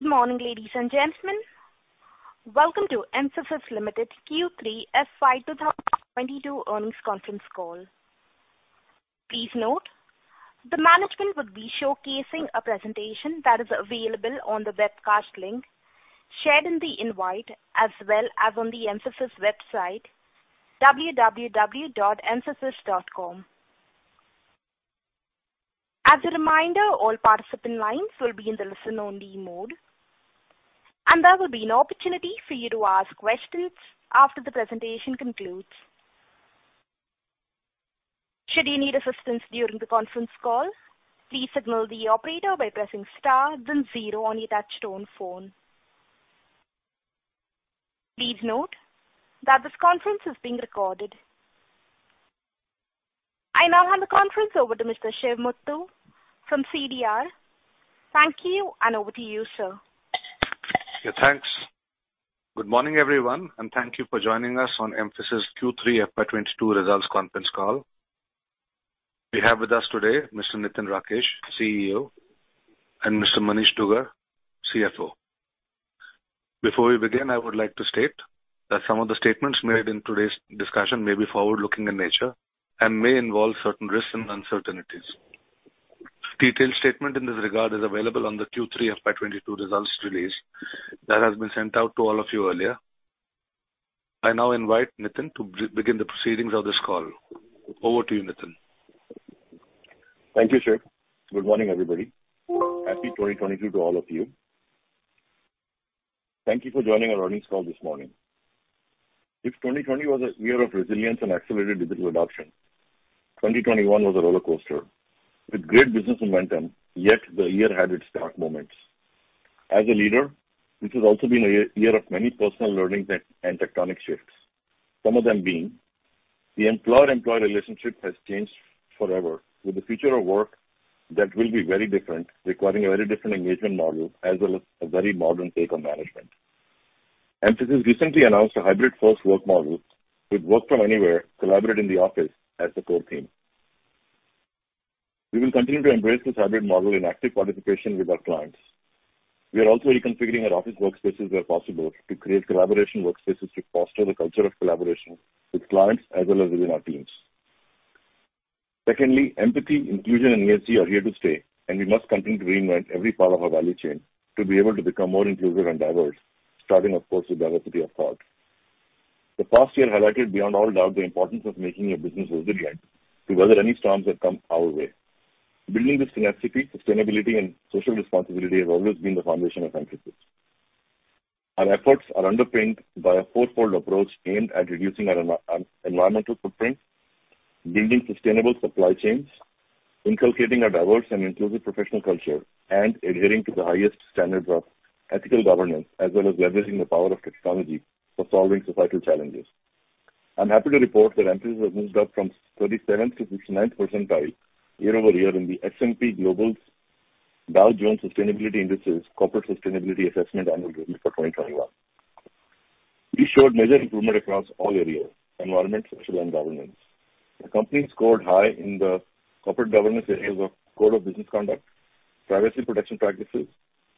Good morning, ladies and gentlemen. Welcome to Mphasis Limited Q3 FY 2022 earnings conference call. Please note the management would be showcasing a presentation that is available on the webcast link shared in the invite, as well as on the Mphasis website, www.mphasis.com. As a reminder, all participant lines will be in the listen only mode, and there will be an opportunity for you to ask questions after the presentation concludes. Should you need assistance during the conference call, please signal the operator by pressing star then zero on your touchtone phone. Please note that this conference is being recorded. I now hand the conference over to Mr. Shiv Muttoo from CDR India. Thank you, and over to you, sir. Yeah, thanks. Good morning, everyone, and thank you for joining us on Mphasis Q3 FY 2022 results conference call. We have with us today Mr. Nitin Rakesh, CEO, and Mr. Manish Dugar, CFO. Before we begin, I would like to state that some of the statements made in today's discussion may be forward-looking in nature and may involve certain risks and uncertainties. Detailed statement in this regard is available on the Q3 FY 2022 results release that has been sent out to all of you earlier. I now invite Nitin to begin the proceedings of this call. Over to you, Nitin. Thank you, Shiv. Good morning, everybody. Happy 2022 to all of you. Thank you for joining our earnings call this morning. If 2020 was a year of resilience and accelerated digital adoption, 2021 was a roller coaster with great business momentum, yet the year had its dark moments. As a leader, this has also been a year of many personal learnings and tectonic shifts. Some of them being the employer-employee relationship has changed forever, with a future of work that will be very different, requiring a very different engagement model as well as a very modern take on management. Mphasis recently announced a hybrid first work model with work from anywhere collaborate in the office as the core theme. We will continue to embrace this hybrid model in active participation with our clients. We are also reconfiguring our office workspaces where possible to create collaboration workspaces to foster the culture of collaboration with clients as well as within our teams. Secondly, empathy, inclusion, and ESG are here to stay, and we must continue to reinvent every part of our value chain to be able to become more inclusive and diverse, starting of course with diversity of thought. The past year highlighted beyond all doubt the importance of making your business resilient to weather any storms that come our way. Building this tenacity, sustainability and social responsibility have always been the foundation of Mphasis. Our efforts are underpinned by a four-fold approach aimed at reducing our environmental footprint, building sustainable supply chains, inculcating a diverse and inclusive professional culture, and adhering to the highest standards of ethical governance, as well as leveraging the power of technology for solving societal challenges. I'm happy to report that Mphasis has moved up from 37th-69th percentile year-over-year in the S&P Global Dow Jones Sustainability Indices Corporate Sustainability Assessment annual review for 2021. We showed major improvement across all areas, environment, social, and governance. The company scored high in the corporate governance areas of code of business conduct, privacy protection practices,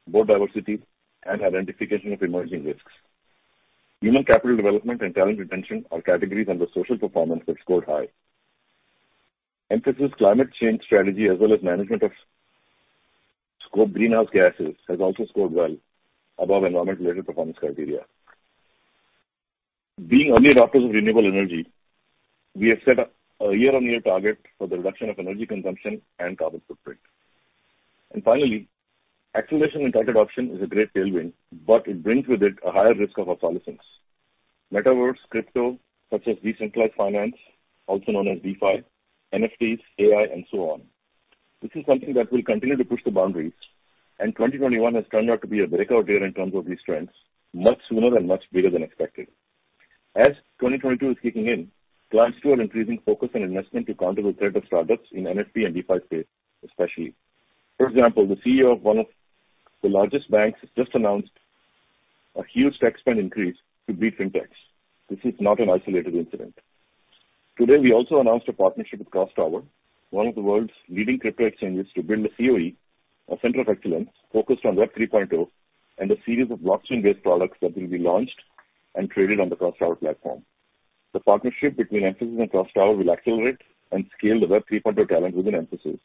board diversity, and identification of emerging risks. Human capital development and talent retention are categories under social performance that scored high. Mphasis climate change strategy as well as management of scope greenhouse gases has also scored well above environment-related performance criteria. Being early adopters of renewable energy, we have set up a year-on-year target for the reduction of energy consumption and carbon footprint. Finally, acceleration in tech adoption is a great tailwind, but it brings with it a higher risk of obsolescence. Metaverse, crypto such as decentralized finance, also known as DeFi, NFTs, AI and so on. This is something that will continue to push the boundaries, and 2021 has turned out to be a breakout year in terms of these trends, much sooner and much bigger than expected. As 2022 is kicking in, clients show an increasing focus on investment to counter the threat of startups in NFT and DeFi space, especially. For example, the CEO of one of the largest banks has just announced a huge tech spend increase to beat fintechs. This is not an isolated incident. Today, we also announced a partnership with CrossTower, one of the world's leading crypto exchanges, to build a CoE, a center of excellence, focused on Web 3.0 and a series of blockchain-based products that will be launched and traded on the CrossTower platform. The partnership between Mphasis and CrossTower will accelerate and scale the Web 3.0 talent within Mphasis,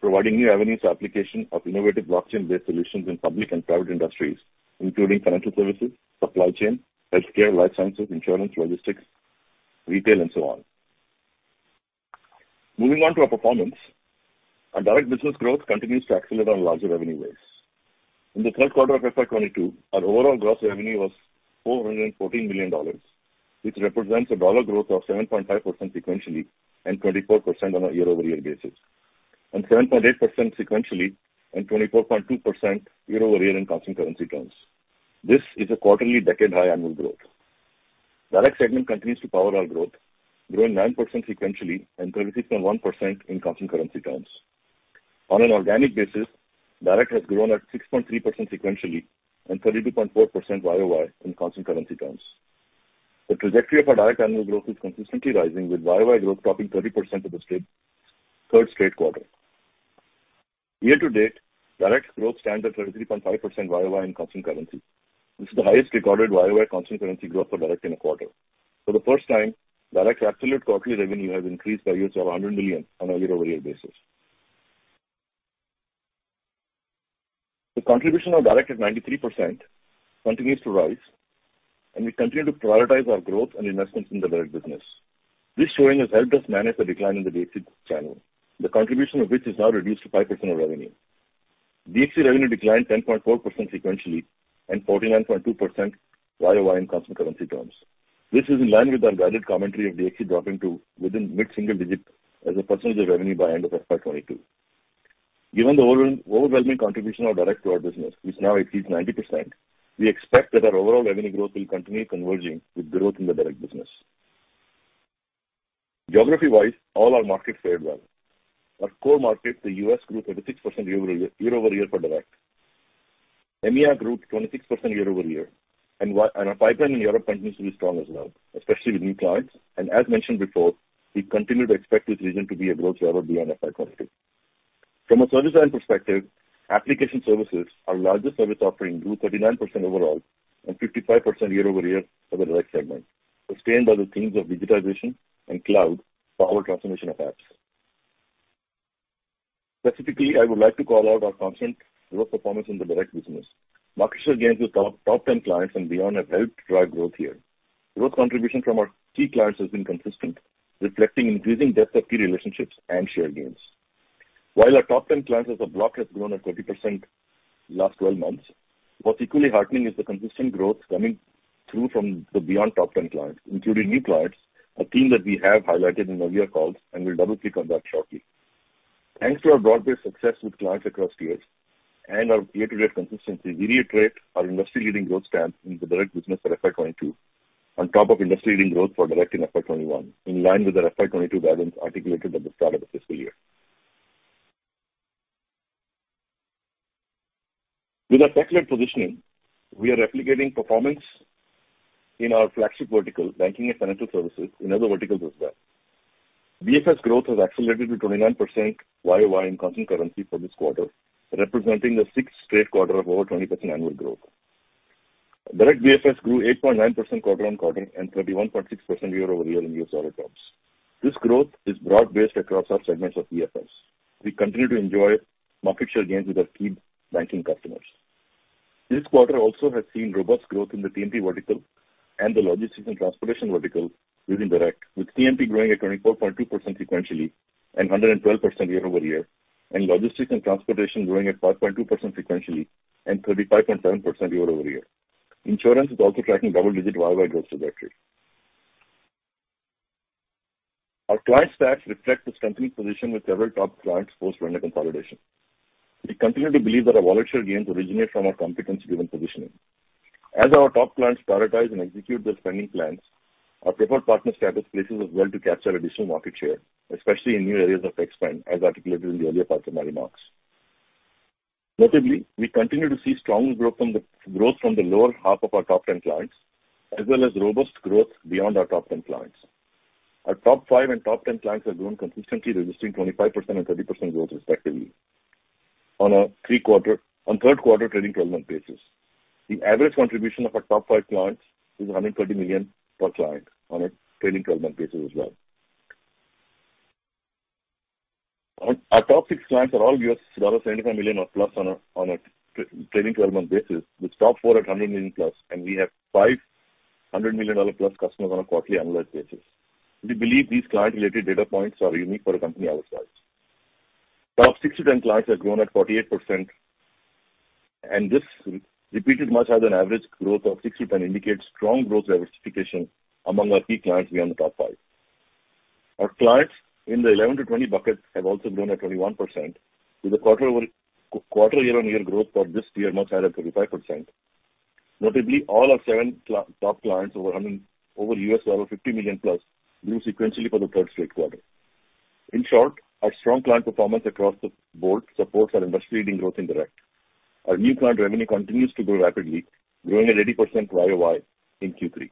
providing new avenues of application of innovative blockchain-based solutions in public and private industries, including financial services, supply chain, healthcare, life sciences, insurance, logistics, retail, and so on. Moving on to our performance. Our direct business growth continues to accelerate on larger revenue base. In the third quarter of FY 2022, our overall gross revenue was $414 million, which represents a dollar growth of 7.5% sequentially and 24% on a year-over-year basis, and 7.8% sequentially and 24.2% year-over-year in constant currency terms. This is a quarterly decade-high annual growth. Direct segment continues to power our growth, growing 9% sequentially and 36.1% in constant currency terms. On an organic basis, direct has grown at 6.3% sequentially and 32.4% YOY in constant currency terms. The trajectory of our direct annual growth is consistently rising with YOY growth topping 30% for the third straight quarter. Year to date, direct growth stands at 33.5% YOY in constant currency. This is the highest recorded YOY constant currency growth for direct in a quarter. For the first time, direct absolute quarterly revenue has increased by way of 100 million on a year-over-year basis. The contribution of direct is 93%, continues to rise, and we continue to prioritize our growth and investments in the direct business. This showing has helped us manage the decline in the DXC channel, the contribution of which is now reduced to 5% of revenue. DXC revenue declined 10.4% sequentially and 49.2% YOY in constant currency terms. This is in line with our guided commentary of DXC dropping to within mid-single digit as a percentage of revenue by end of FY 2022. Given the overwhelming contribution of direct to our business, which now exceeds 90%, we expect that our overall revenue growth will continue converging with growth in the direct business. Geography-wise, all our markets fared well. Our core market, the U.S., grew 36% year-over-year for direct. EMEA grew 26% year-over-year. Our pipeline in Europe continues to be strong as well, especially with new clients. As mentioned before, we continue to expect this region to be a growth driver beyond FY 2022. From a service line perspective, application services, our largest service offering, grew 39% overall and 55% year-over-year for the direct segment, sustained by the themes of digitization and cloud-powered transformation of apps. Specifically, I would like to call out our constant growth performance in the direct business. Market share gains with our top 10 clients and beyond have helped drive growth here. Growth contribution from our key clients has been consistent, reflecting increasing depth of key relationships and share gains. While our top 10 clients as a block has grown at 20% last 12 months, what's equally heartening is the consistent growth coming through from the beyond top 10 clients, including new clients, a theme that we have highlighted in earlier calls, and we'll double-click on that shortly. Thanks to our broad-based success with clients across tiers and our year-to-date consistency, we reiterate our industry-leading growth stance in the direct business for FY 2022 on top of industry-leading growth for direct in FY 2021, in line with our FY 2022 guidance articulated at the start of the fiscal year. With our tech-led positioning, we are replicating performance in our flagship verticals, banking and financial services, in other verticals as well. BFS growth has accelerated to 29% YOY in constant currency for this quarter, representing the sixth straight quarter of over 20% annual growth. Direct BFS grew 8.9% quarter-on-quarter and 31.6% year-over-year in U.S. dollar terms. This growth is broad-based across our segments of BFS. We continue to enjoy market share gains with our key banking customers. This quarter also has seen robust growth in the T&P vertical and the logistics and transportation vertical within direct, with T&P growing at 24.2% sequentially and 112% year-over-year, and logistics and transportation growing at 5.2% sequentially and 35.7% year-over-year. Insurance is also tracking double-digit YOY growth trajectory. Our client stats reflect this company's position with several top clients post-Merlin consolidation. We continue to believe that our wallet share gains originate from our competency-driven positioning. As our top clients prioritize and execute their spending plans, our preferred partner status places us well to capture additional market share, especially in new areas of tech spend, as articulated in the earlier parts of my remarks. Notably, we continue to see strong growth from the lower half of our top 10 clients, as well as robust growth beyond our top 10 clients. Our top five and top 10 clients have grown consistently, registering 25% and 30% growth, respectively, on a third quarter trailing twelve-month basis. The average contribution of our top five clients is $130 million per client on a trailing 12-month basis as well. Our top six clients are all $75 million or plus on a trailing 12-month basis, with top four at $100 million plus, and we have $500 million plus customers on a quarterly annualized basis. We believe these client-related data points are unique for a company our size. Top 6-10 clients have grown at 48%, and this represents an average growth of 6-10 indicates strong growth diversification among our key clients beyond the top five. Our clients in the 11-20 buckets have also grown at 21%, with the quarter-over-quarter year-on-year growth for this year much higher at 35%. Notably, all our seven top clients over $50 million grew sequentially for the third straight quarter. In short, our strong client performance across the board supports our industry-leading growth in direct. Our new client revenue continues to grow rapidly, growing at 80% YOY in Q3.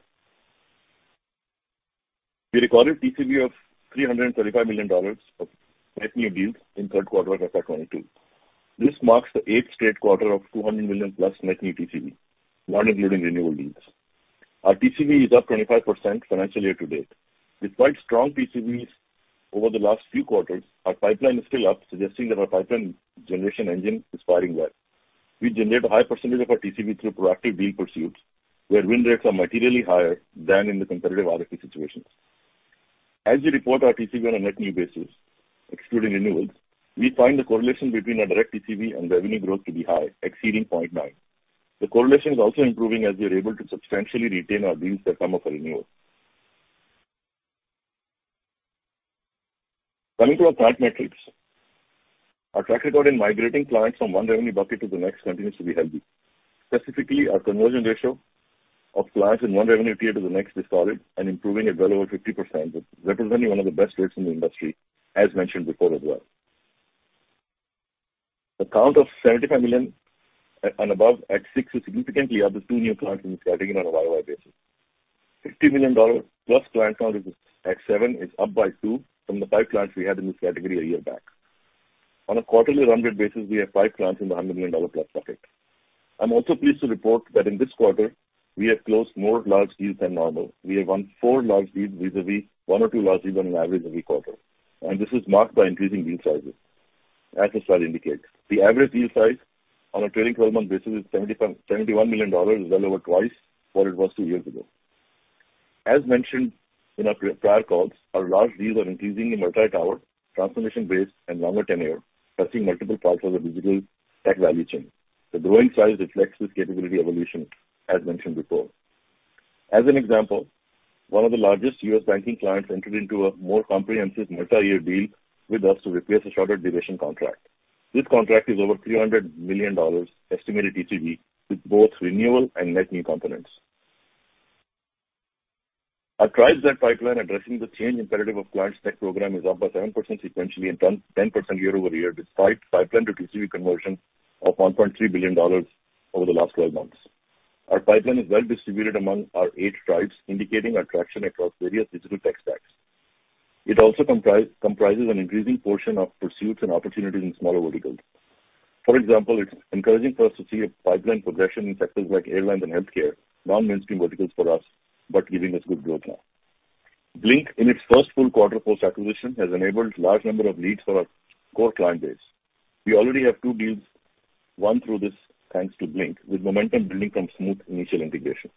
We recorded TCV of $335 million of net new deals in third quarter of FY 2022. This marks the eighth straight quarter of $200 million-plus net new TCV, not including renewable deals. Our TCV is up 25% financial year to date. Despite strong TCVs over the last few quarters, our pipeline is still up, suggesting that our pipeline generation engine is firing well. We generate a high percentage of our TCV through proactive deal pursuits, where win rates are materially higher than in the competitive RFP situations. As we report our TCV on a net new basis, excluding renewals, we find the correlation between our direct TCV and revenue growth to be high, exceeding 0.9. The correlation is also improving as we are able to substantially retain our deals that come up for renewal. Coming to our client metrics. Our track record in migrating clients from one revenue bucket to the next continues to be healthy. Specifically, our conversion ratio of clients in one revenue tier to the next is solid and improving at well over 50%, representing one of the best rates in the industry, as mentioned before as well. The count of $75 million and above at six is significantly up with two new clients in this category on a YOY basis. $50 million plus client count at seven is up by two from the five clients we had in this category a year back. On a quarterly run rate basis, we have five clients in the $100 million dollar plus bucket. I'm also pleased to report that in this quarter we have closed more large deals than normal. We have won 4 large deals vis-à-vis 1 or 2 large deals on an average every quarter. This is marked by increasing deal sizes, as the slide indicates. The average deal size on a trailing 12-month basis is $71 million, well over twice what it was two years ago. As mentioned in our pre-prior calls, our large deals are increasingly multi-tower, transformation-based and longer tenure, touching multiple parts of the digital tech value chain. The growing size reflects this capability evolution, as mentioned before. As an example, one of the largest U.S. banking clients entered into a more comprehensive multi-year deal with us to replace a shorter duration contract. This contract is over $300 million estimated TCV with both renewal and net new components. Our Tribes-led pipeline addressing the change imperative of clients' tech program is up by 7% sequentially and 10% year-over-year, despite pipeline to TCV conversion of $1.3 billion over the last 12-months. Our pipeline is well distributed among our eight tribes, indicating attraction across various digital tech stacks. It also comprises an increasing portion of pursuits and opportunities in smaller verticals. For example, it's encouraging for us to see a pipeline progression in sectors like airlines and healthcare, non-mainstream verticals for us, but giving us good growth now. Blink, in its first full quarter post-acquisition, has enabled large number of leads for our core client base. We already have two deals won through this thanks to Blink, with momentum building from smooth initial integration.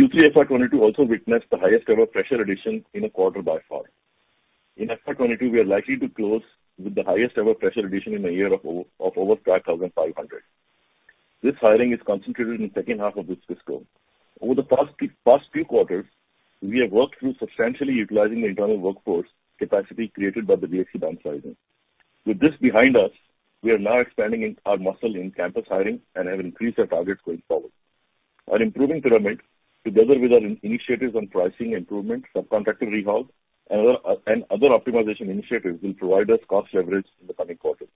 Q3 FY 2022 also witnessed the highest ever fresher addition in a quarter by far. In FY 2022, we are likely to close with the highest ever fresher addition in a year of over 5,500. This hiring is concentrated in the second half of this fiscal. Over the past few quarters, we have worked through substantially utilizing the internal workforce capacity created by the DXC downsizing. With this behind us, we are now expanding our muscle in campus hiring and have increased our targets going forward. Our improving pyramid, together with our initiatives on pricing improvement, subcontracting overhaul and other optimization initiatives, will provide us cost leverage in the coming quarters.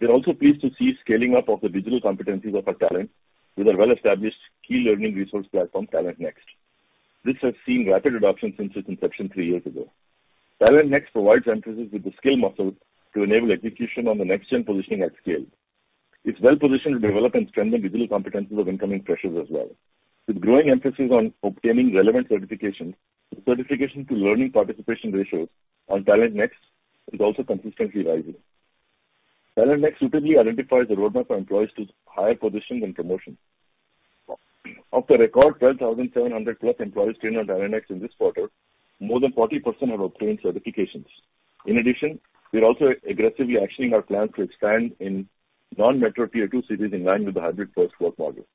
We are also pleased to see scaling up of the digital competencies of our talent with our well-established key learning resource platform, TalentNext. This has seen rapid adoption since its inception three years ago. TalentNext provides Mphasis with the skill muscle to enable execution on the next gen positioning at scale. It's well positioned to develop and strengthen digital competencies of incoming freshers as well. With growing emphasis on obtaining relevant certifications, the certification to learning participation ratios on Talent Next is also consistently rising. Talent Next suitably identifies the roadmap for employees to higher positions and promotion. Of the record 12,700+ employees trained on Talent Next in this quarter, more than 40% have obtained certifications. In addition, we are also aggressively actioning our plan to expand in non-metro tier two cities in line with the hybrid first work model.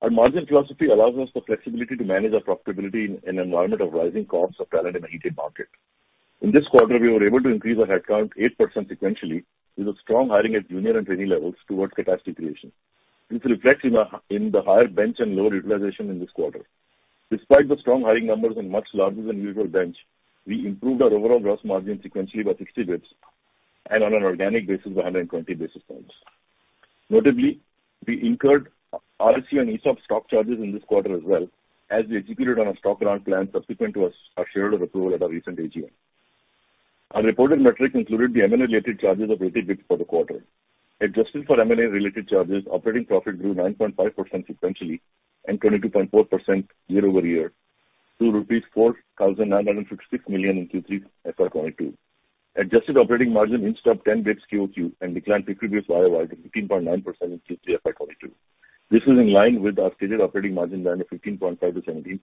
Our margin philosophy allows us the flexibility to manage our profitability in an environment of rising costs of talent in a heated market. In this quarter, we were able to increase our headcount 8% sequentially with a strong hiring at junior and trainee levels towards capacity creation. This reflects in the higher bench and lower utilization in this quarter. Despite the strong hiring numbers and much larger than usual bench, we improved our overall gross margin sequentially by 60 basis points and on an organic basis by 120 basis points. Notably, we incurred RSU and ESOP stock charges in this quarter as well as we executed on our stock grant plan subsequent to our shareholder approval at our recent AGM. Our reported metric included the M&A-related charges of 30 basis points for the quarter. Adjusted for M&A-related charges, operating profit grew 9.5% sequentially and 22.4% year-over-year to rupees 4,956 million in Q3 FY 2022. Adjusted operating margin increased 10 basis points QOQ and declined 50 basis points YOY to 15.9% in Q3 FY 2022. This is in line with our stated operating margin band of 15.5%-17%,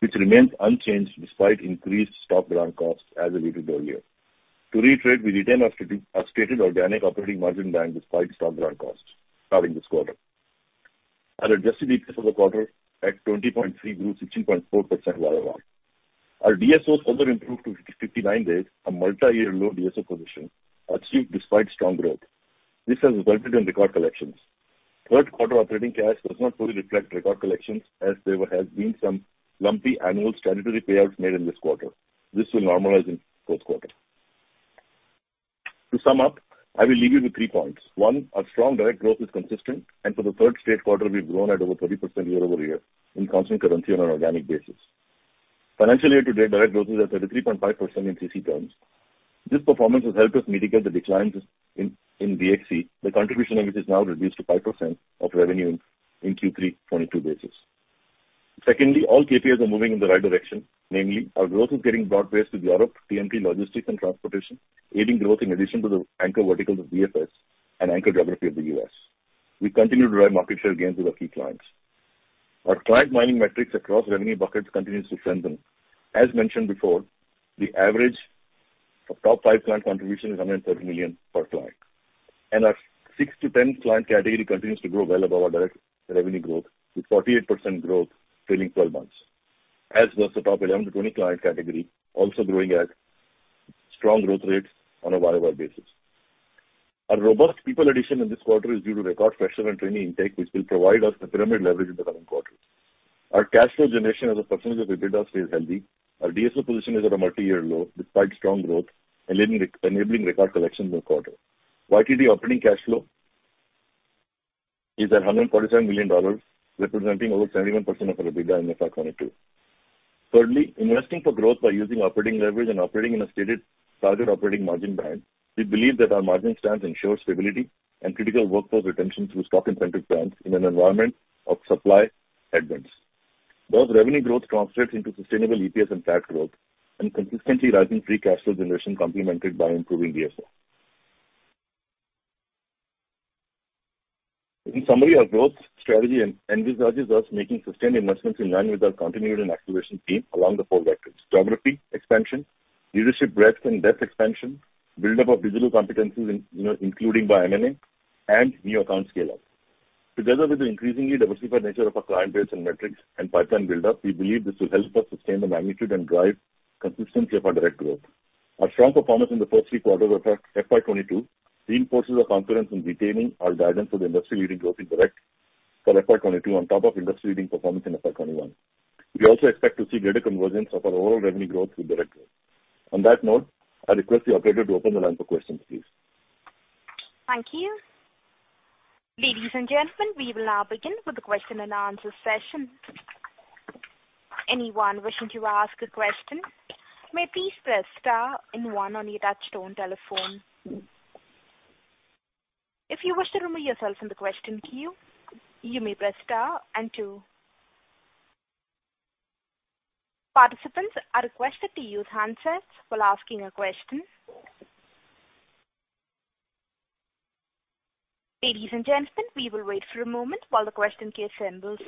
which remains unchanged despite increased stock grant costs as alluded earlier. To reiterate, we retain our stated organic operating margin band despite stock grant costs starting this quarter. Our adjusted EPS for the quarter at 20.3 grew 16.4% YOY. Our DSOs also improved to 55 days, a multi-year low DSO position achieved despite strong growth. This has resulted in record collections. Third quarter operating cash does not fully reflect record collections as there has been some lumpy annual statutory payouts made in this quarter. This will normalize in fourth quarter. To sum up, I will leave you with three points. One, our strong direct growth is consistent, and for the third straight quarter we've grown at over 30% year-over-year in constant currency on an organic basis. Financially to date, direct growth is at 33.5% in CC terms. This performance has helped us mitigate the declines in DXC, the contribution of which is now reduced to 5% of revenue in Q3 2022 basis. Secondly, all KPIs are moving in the right direction, namely our growth is getting broad-based with Europe, TMT, logistics and transportation, aiding growth in addition to the anchor verticals of BFS and anchor geography of the U.S. We continue to drive market share gains with our key clients. Our client mining metrics across revenue buckets continues to strengthen. As mentioned before, the average of top five client contribution is $130 million per client. Our 6-10 client category continues to grow well above our direct revenue growth, with 48% growth trailing 12-months, as was the top 11-20 client category also growing at strong growth rates on a YOY basis. Our robust people addition in this quarter is due to record fresher and trainee intake, which will provide us the pyramid leverage in the coming quarters. Our cash flow generation as a percentage of EBITDA stays healthy. Our DSO position is at a multi-year low despite strong growth enabling record collections this quarter. YTD operating cash flow is at $147 million, representing over 71% of our EBITDA in FY 2022. Thirdly, we are investing for growth by using operating leverage and operating in a stated target operating margin band. We believe that our margin stance ensures stability and critical workforce retention through stock incentive plans in an environment of supply headwinds. How revenue growth translates into sustainable EPS and PAT growth and consistently rising free cash flow generation complemented by improving DSO. In summary, our growth strategy envisages us making sustained investments in line with our client activation team along the four vectors. Geography expansion, leadership breadth and depth expansion, build-up of digital competencies in, you know, including by M&A and new account scale-up. Together with the increasingly diversified nature of our client base and metrics and pipeline buildup, we believe this will help us sustain the magnitude and drive consistency of our direct growth. Our strong performance in the first three quarters of our FY 2022 reinforces our confidence in retaining our guidance for the industry-leading growth in direct for FY 2022 on top of industry-leading performance in FY 2021. We also expect to see greater convergence of our overall revenue growth through direct growth. On that note, I request the operator to open the line for questions, please. Thank you. Ladies and gentlemen, we will now begin with the question and answer session. Anyone wishing to ask a question may please press star and one on your touchtone telephone. If you wish to remove yourself from the question queue, you may press star and two. Participants are requested to use handsets while asking a question. Ladies and gentlemen, we will wait for a moment while the question queue assembles.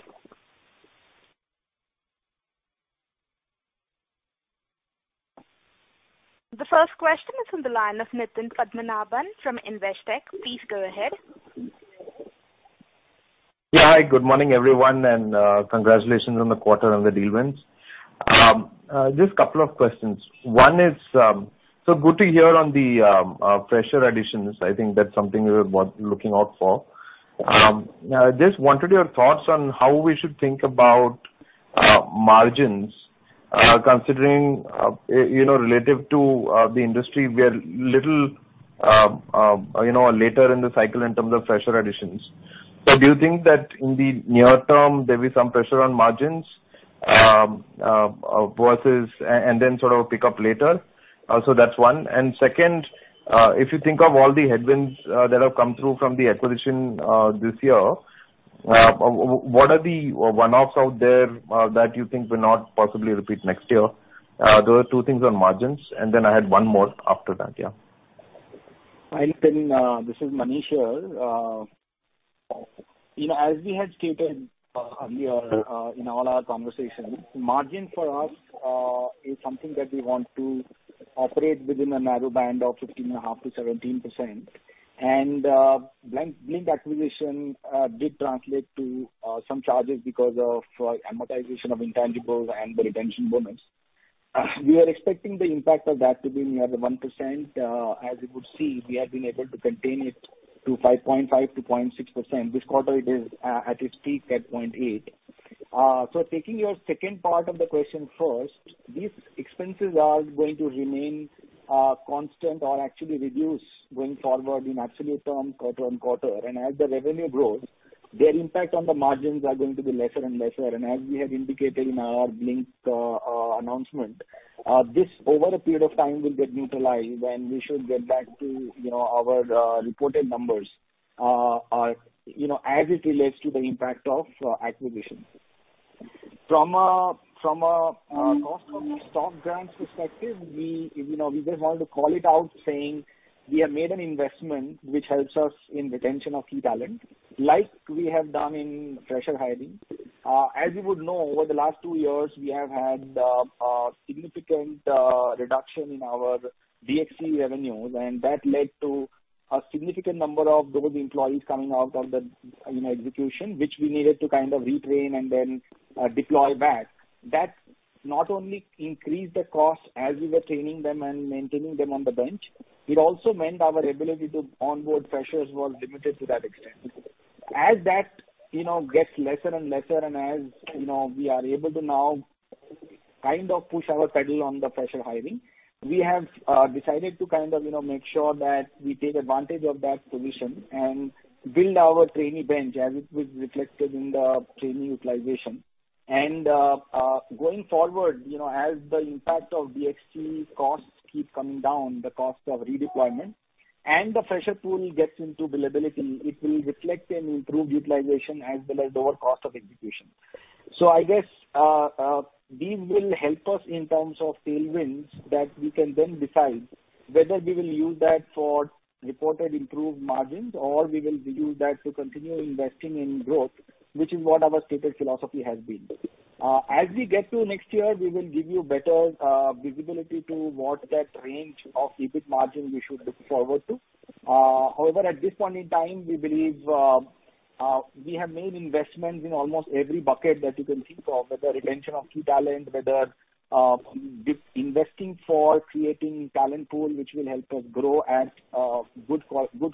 The first question is on the line of Nitin Padmanabhan from Investec. Please go ahead. Yeah. Hi, good morning, everyone, and congratulations on the quarter and the deal wins. Just couple of questions. One is, so good to hear on the fresher additions. I think that's something we were looking out for. I just wanted your thoughts on how we should think about margins, considering, you know, relative to the industry, we are little, you know, later in the cycle in terms of fresher additions. Do you think that in the near term there'll be some pressure on margins versus, and then sort of pick up later? That's one. Second, if you think of all the headwinds that have come through from the acquisition this year, what are the one-offs out there that you think will not possibly repeat next year? Those are two things on margins. Then I had one more after that. Yeah. Hi, Nitin. This is Manish here. You know, as we had stated earlier in all our conversations, margin for us is something that we want to operate within a narrow band of 15.5%-17%. Blink acquisition did translate to some charges because of amortization of intangibles and the retention bonus. We are expecting the impact of that to be near the 1%. As you would see, we have been able to contain it to 0.55%-0.6%. This quarter it is at its peak at 0.8%. Taking your second part of the question first, these expenses are going to remain constant or actually reduce going forward in absolute terms quarter on quarter. As the revenue grows, their impact on the margins are going to be lesser and lesser. As we have indicated in our Blink announcement, this over a period of time will get neutralized, and we should get back to, you know, our reported numbers, you know, as it relates to the impact of acquisitions. From a cost of stock grants perspective, we, you know, we just want to call it out saying we have made an investment which helps us in retention of key talent, like we have done in fresher hiring. As you would know, over the last two years, we have had significant reduction in our DXC revenues, and that led to a significant number of global employees coming out of the execution, which we needed to kind of retrain and then deploy back. That not only increased the cost as we were training them and maintaining them on the bench, it also meant our ability to onboard freshers was limited to that extent. As that gets lesser and lesser and as we are able to now kind of push our pedal on the fresher hiring, we have decided to kind of make sure that we take advantage of that position and build our trainee bench as it was reflected in the training utilization. Going forward, you know, as the impact of DXC costs keep coming down, the cost of redeployment and the fresher pool gets into billability, it will reflect an improved utilization as well as lower cost of execution. I guess these will help us in terms of tailwinds that we can then decide whether we will use that for reported improved margins, or we will use that to continue investing in growth, which is what our stated philosophy has been. As we get to next year, we will give you better visibility to what that range of EBIT margin you should look forward to. However, at this point in time, we believe, We have made investments in almost every bucket that you can think of, whether retention of key talent, whether with investing for creating talent pool, which will help us grow at good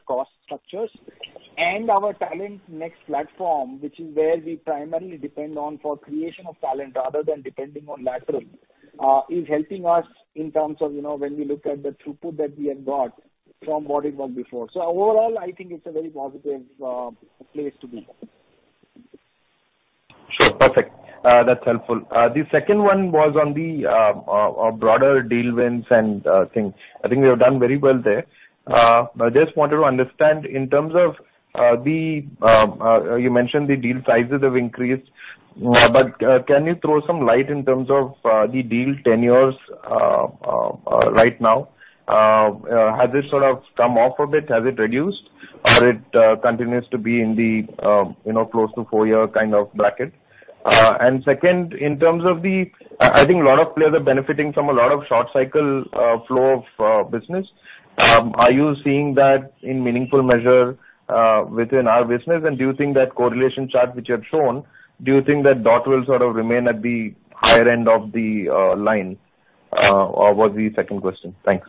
cost structures. Our TalentNext platform, which is where we primarily depend on for creation of talent rather than depending on lateral, is helping us in terms of, you know, when we look at the throughput that we have got from what it was before. Overall, I think it's a very positive place to be. Sure. Perfect. That's helpful. The second one was on the broader deal wins and things. I think we have done very well there. I just wanted to understand in terms of you mentioned the deal sizes have increased. But can you throw some light in terms of the deal tenures right now? Has it sort of come off a bit? Has it reduced, or it continues to be in the you know close to four-year kind of bracket? Second, in terms of the I think a lot of players are benefiting from a lot of short cycle flow of business. Are you seeing that in meaningful measure within our business? Do you think that correlation chart which you have shown, do you think that dot will sort of remain at the higher end of the line? Was the second question. Thanks.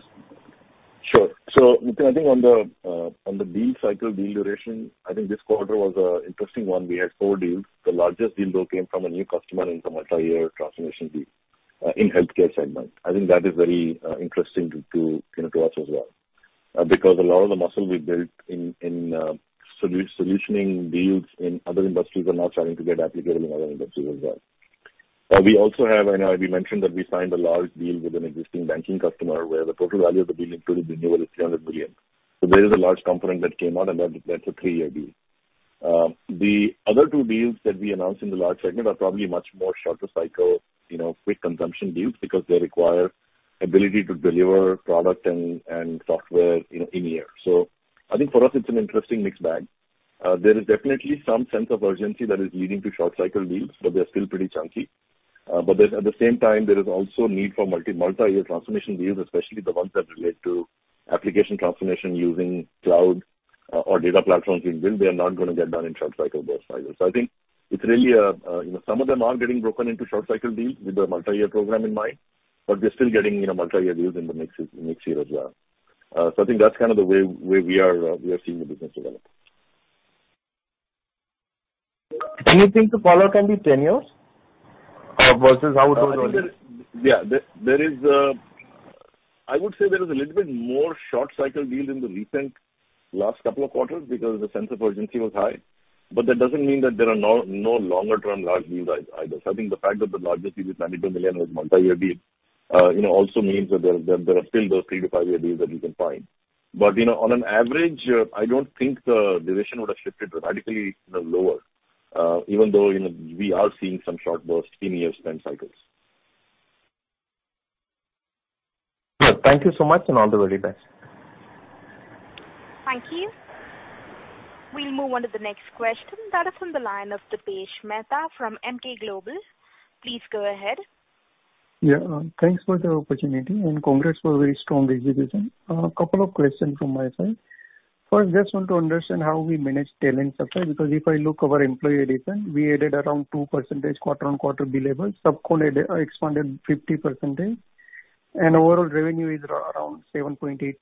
Sure. Nitin, I think on the deal cycle, deal duration, I think this quarter was an interesting one. We had four deals. The largest deal though came from a new customer in the multi-year transformation deal in healthcare segment. I think that is very interesting to you know to watch as well. We also have I know we mentioned that we signed a large deal with an existing banking customer, where the total value of the deal, including renewal, is 300 billion. There is a large component that came out, and that's a three-year deal. The other two deals that we announced in the large segment are probably much more shorter cycle, you know, quick consumption deals because they require ability to deliver product and software in-year. I think for us it's an interesting mixed bag. There is definitely some sense of urgency that is leading to short cycle deals, but they're still pretty chunky. But there's at the same time there is also need for multi-year transformation deals, especially the ones that relate to application transformation using cloud, or data platforms we build. They are not gonna get done in short cycle bursts either. I think it's really a you know, some of them are getting broken into short cycle deals with a multi-year program in mind, but we're still getting, you know, multi-year deals in the mix here as well. I think that's kind of the way we are seeing the business develop. Do you think the follow can be 10 years versus how it was running? There is a little bit more short cycle deal in the recent last couple of quarters because the sense of urgency was high. That doesn't mean that there are no longer term large deals either. I think the fact that the largest deal is $90 million was multi-year deal, you know, also means that there are still those 3-5-year deals that you can find. You know, on average, I don't think the division would have shifted radically, you know, lower, even though, you know, we are seeing some short bursts in year spend cycles. Sure. Thank you so much, and all the very best. Thank you. We'll move on to the next question. That is on the line of Dipesh Mehta from Emkay Global. Please go ahead. Yeah. Thanks for the opportunity, and congrats for a very strong execution. A couple of questions from my side. First, just want to understand how we manage talent supply, because if I look our employee addition, we added around 2% quarter-on-quarter B levels. Subcon added expanded 50%, and overall revenue is around 7.8%.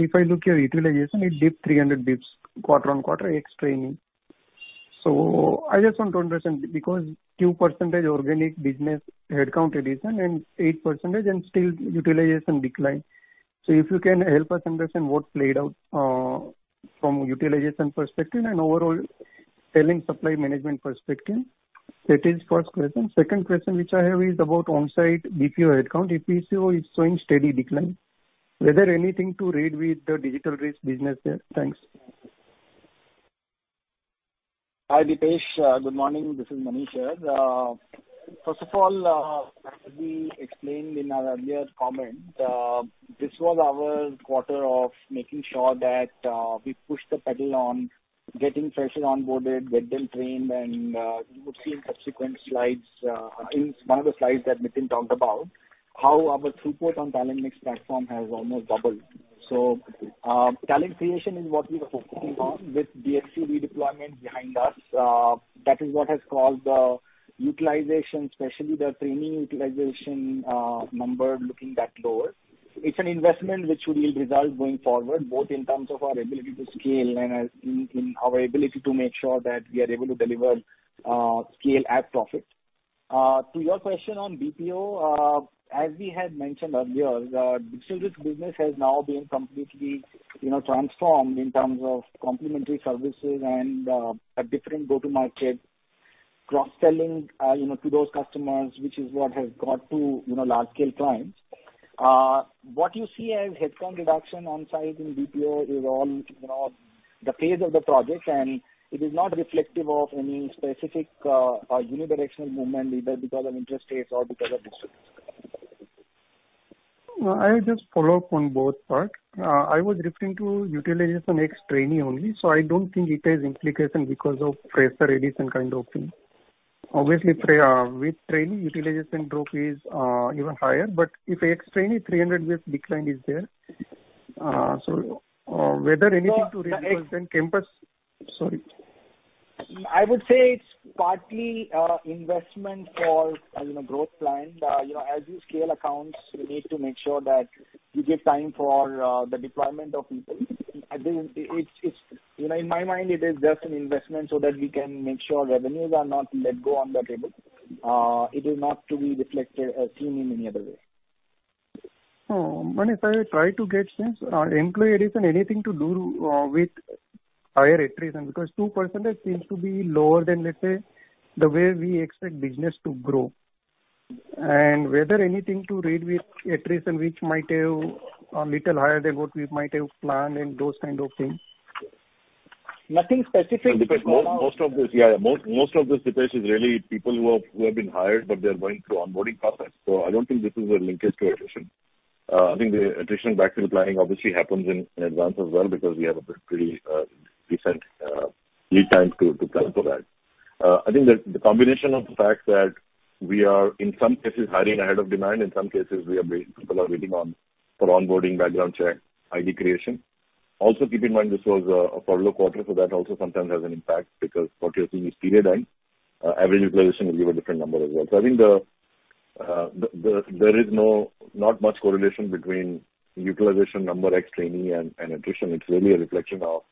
If I look your utilization, it dipped 300 basis points quarter-on-quarter ex-training. I just want to understand because 2% organic business headcount addition and 8% and still utilization decline. If you can help us understand what played out, from a utilization perspective and overall talent supply management perspective. That is first question. Second question which I have is about onsite BPO headcount. If BPO is showing steady decline, whether anything to read into the Digital Risk business there? Thanks. Hi, Dipesh. Good morning. This is Manish here. First of all, as we explained in our earlier comments, this was our quarter of making sure that we push the pedal on getting fresher onboarded, get them trained. You would see in subsequent slides, in one of the slides that Nitin talked about how our throughput on TalentNext platform has almost doubled. Talent creation is what we were focusing on with DXC redeployment behind us. That is what has caused the utilization, especially the training utilization, number looking that lower. It's an investment which will yield results going forward, both in terms of our ability to scale and in our ability to make sure that we are able to deliver, scale at profit. To your question on BPO, as we had mentioned earlier, the Digital Risk business has now been completely, you know, transformed in terms of complementary services and a different go-to-market cross-selling, you know, to those customers, which is what has got to, you know, large scale clients. What you see as headcount reduction on site in BPO is all, you know, the phase of the project, and it is not reflective of any specific, unidirectional movement either because of interest rates or because of business. I'll just follow up on both parts. I was referring to utilization ex-trainee only, so I don't think it has implication because of fresher addition kind of thing. Obviously pre with training, utilization drop is even higher. If I explain it, 300 basis point decline is there. Whether anything to reduce then campus. Sorry. I would say it's partly investment for, you know, growth plans. You know, as you scale accounts, you need to make sure that you give time for the deployment of people. At the end, it's, you know, in my mind, it is just an investment so that we can make sure revenues are not let go on the table. It is not to be reflected or seen in any other way. Oh, Manish, I will try to get a sense. Employee addition anything to do with higher attrition? Because 2% seems to be lower than, let's say, the way we expect business to grow. Whether anything to do with attrition which might be a little higher than what we might have planned and those kind of things. Nothing specific. Most of this, yeah, Dipesh is really people who have been hired, but they're going through onboarding process. I don't think this is a linkage to attrition. I think the attrition backfill planning obviously happens in advance as well because we have a pretty decent lead time to plan for that. I think that the combination of the fact that we are in some cases hiring ahead of demand, in some cases we are waiting for onboarding background check, ID creation. Also keep in mind this was a Q4, so that also sometimes has an impact because what you're seeing is period end. Average utilization will give a different number as well. I think there is not much correlation between utilization number ex-trainee and attrition. It's really a reflection of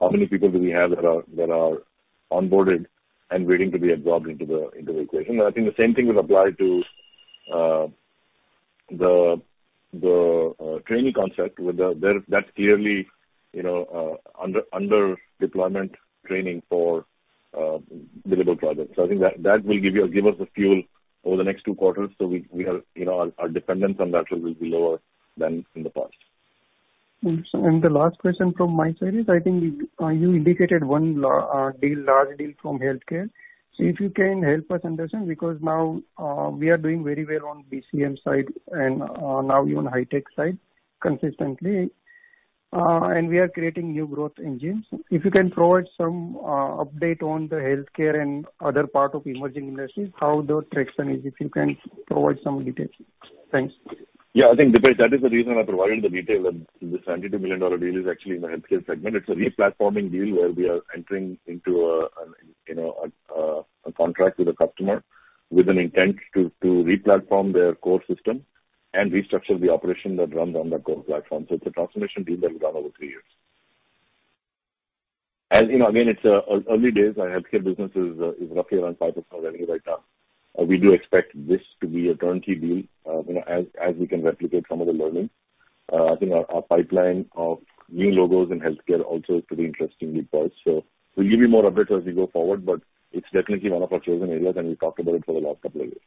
how many people do we have that are onboarded and waiting to be absorbed into the equation. I think the same thing will apply to the trainee concept. That's clearly under deployment training for billable projects. I think that will give us the fuel over the next two quarters. Our dependence on that fuel will be lower than in the past. The last question from my side is, I think, you indicated one large deal from healthcare. If you can help us understand, because now we are doing very well on BCM side and now even high tech side consistently. We are creating new growth engines. If you can provide some update on the healthcare and other part of emerging industries, how the traction is, if you can provide some details. Thanks. Yeah. I think, Dipesh, that is the reason I provided the detail that this $92 million deal is actually in the healthcare segment. It's a re-platforming deal where we are entering into a contract with a customer with an intent to re-platform their core system and restructure the operation that runs on that core platform. It's a transformation deal that will run over three years. As you know, again, it's early days. Our healthcare business is roughly around 5% revenue right now. We do expect this to be a turnkey deal, you know, as we can replicate some of the learnings. I think our pipeline of new logos in healthcare also is pretty interesting because... We'll give you more updates as we go forward, but it's definitely one of our chosen areas, and we've talked about it for the last couple of years.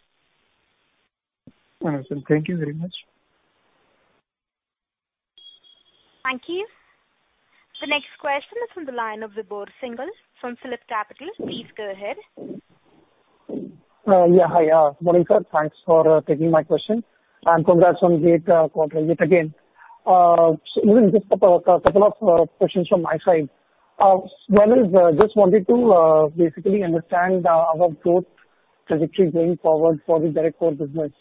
Awesome. Thank you very much. Thank you. The next question is from the line of Vibhor Singhal from PhillipCapital. Please go ahead. Yeah. Hi, Manish. Thanks for taking my question. Congrats on great quarter yet again. So even just a couple of questions from my side. One is just wanted to basically understand our growth trajectory going forward for the Direct to Core business.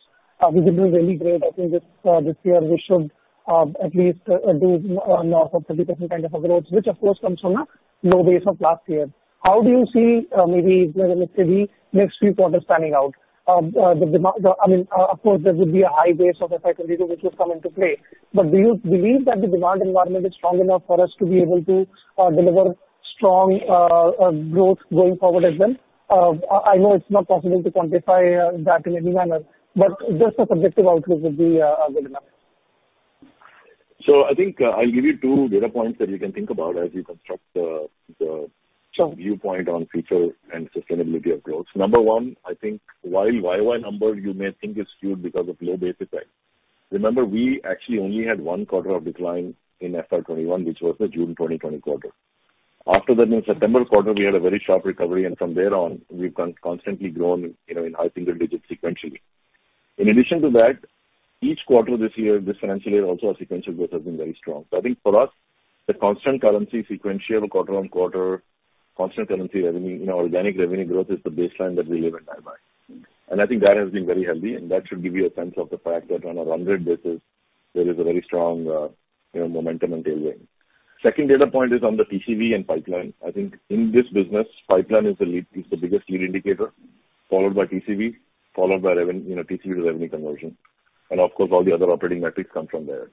We did do really great. I think this year we should at least do north of 30% kind of a growth, which of course comes from a low base of last year. How do you see maybe, you know, let's say the next few quarters panning out? The demand, I mean, of course, there would be a high base of FY 2022 which will come into play. Do you believe that the demand environment is strong enough for us to be able to deliver strong growth going forward as well? I know it's not possible to quantify that in any manner, but just a subjective outlook would be good enough. I think, I'll give you two data points that you can think about as you construct the Sure. Viewpoint on future and sustainability of growth. Number one, I think while YOY number you may think is skewed because of low base effect, remember, we actually only had one quarter of decline in FY 2021, which was the June 2020 quarter. After that, in September quarter, we had a very sharp recovery, and from there on, we've constantly grown, you know, in high single digits sequentially. In addition to that, each quarter this year, this financial year also, our sequential growth has been very strong. I think for us, the constant currency sequential quarter-on-quarter constant currency revenue, you know, organic revenue growth is the baseline that we live and die by. I think that has been very healthy, and that should give you a sense of the fact that on a run rate basis, there is a very strong, you know, momentum and tailwind. Second data point is on the TCV and pipeline. I think in this business, pipeline is the biggest lead indicator, followed by TCV, followed by, you know, TCV to revenue conversion. Of course, all the other operating metrics come from there.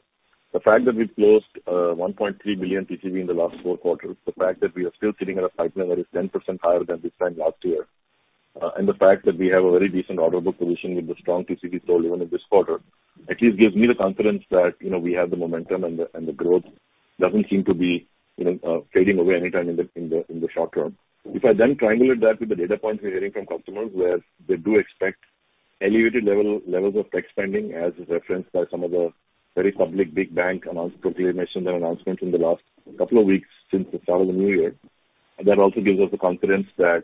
The fact that we've closed $1.3 billion TCV in the last four quarters, the fact that we are still sitting at a pipeline that is 10% higher than this time last year, and the fact that we have a very decent order book position with a strong TCV flow even in this quarter, at least gives me the confidence that, you know, we have the momentum and the growth doesn't seem to be, you know, fading away anytime in the short term. If I then triangulate that with the data points we're hearing from customers, where they do expect elevated levels of tech spending, as referenced by some of the very public big bank announcements, particularly their announcements in the last couple of weeks since the start of the new year. That also gives us the confidence that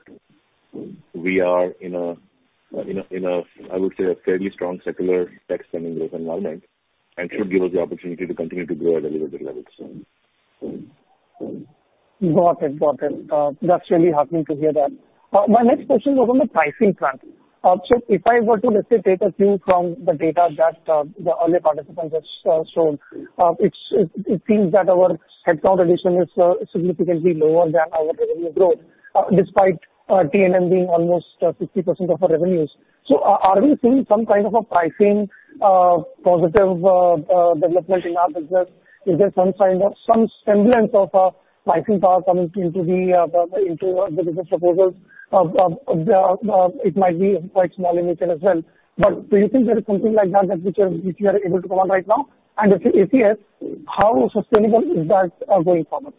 we are in a, I would say, a fairly strong secular tech-spending growth environment and should give us the opportunity to continue to grow at elevated levels. Got it. That's really heartening to hear that. My next question was on the pricing front. So if I were to, let's say, take a cue from the data that the earlier participant just shown, it seems that our headcount addition is significantly lower than our revenue growth, despite T&M being almost 60% of our revenues. So are we seeing some kind of a pricing positive development in our business? Is there some kind of, some semblance of a pricing power coming into the business proposals of the, it might be quite small in nature as well. But do you think there is something like that which you are able to call out right now? If yes, how sustainable is that going forward?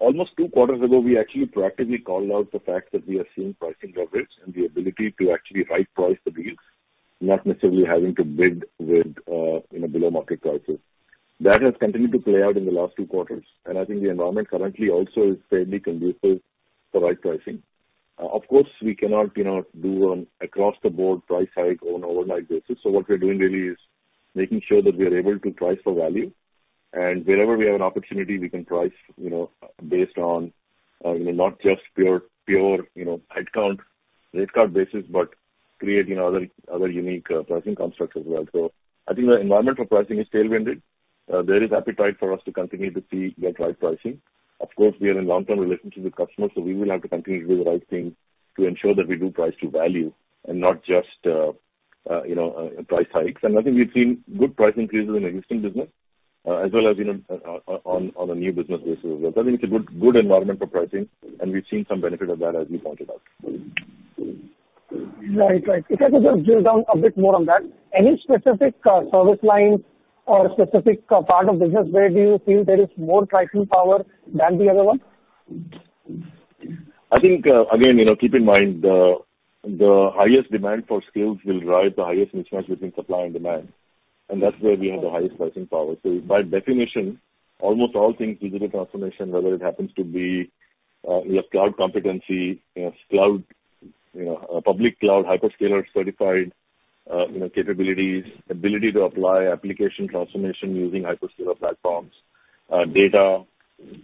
Almost two quarters ago, we actually proactively called out the fact that we are seeing pricing leverage and the ability to actually right-price the deals, not necessarily having to bid with, you know, below-market prices. That has continued to play out in the last two quarters, and I think the environment currently also is fairly conducive for right pricing. Of course, we cannot, you know, do across-the-board price hike on an overnight basis. What we're doing really is making sure that we are able to price for value, and wherever we have an opportunity, we can price, you know, based on, you know, not just pure, you know, headcount, rate card basis, but create, you know, other unique pricing constructs as well. I think the environment for pricing is tailwinded. There is appetite for us to continue to see that right pricing. Of course, we are in long-term relationships with customers, so we will have to continue to do the right thing to ensure that we do price to value and not just, you know, price hikes. I think we've seen good price increases in existing business, as well as, you know, on a new business basis as well. I think it's a good environment for pricing, and we've seen some benefit of that, as you pointed out. Right. If I could just drill down a bit more on that. Any specific service lines or specific part of business where do you feel there is more pricing power than the other ones? I think, again, you know, keep in mind the highest demand for skills will drive the highest mismatch between supply and demand, and that's where we have the highest pricing power. By definition, almost all things digital transformation, whether it happens to be, you know, cloud competency, you know, cloud, you know, public cloud, hyperscaler-certified, you know, capabilities, ability to apply application transformation using hyperscaler platforms, data.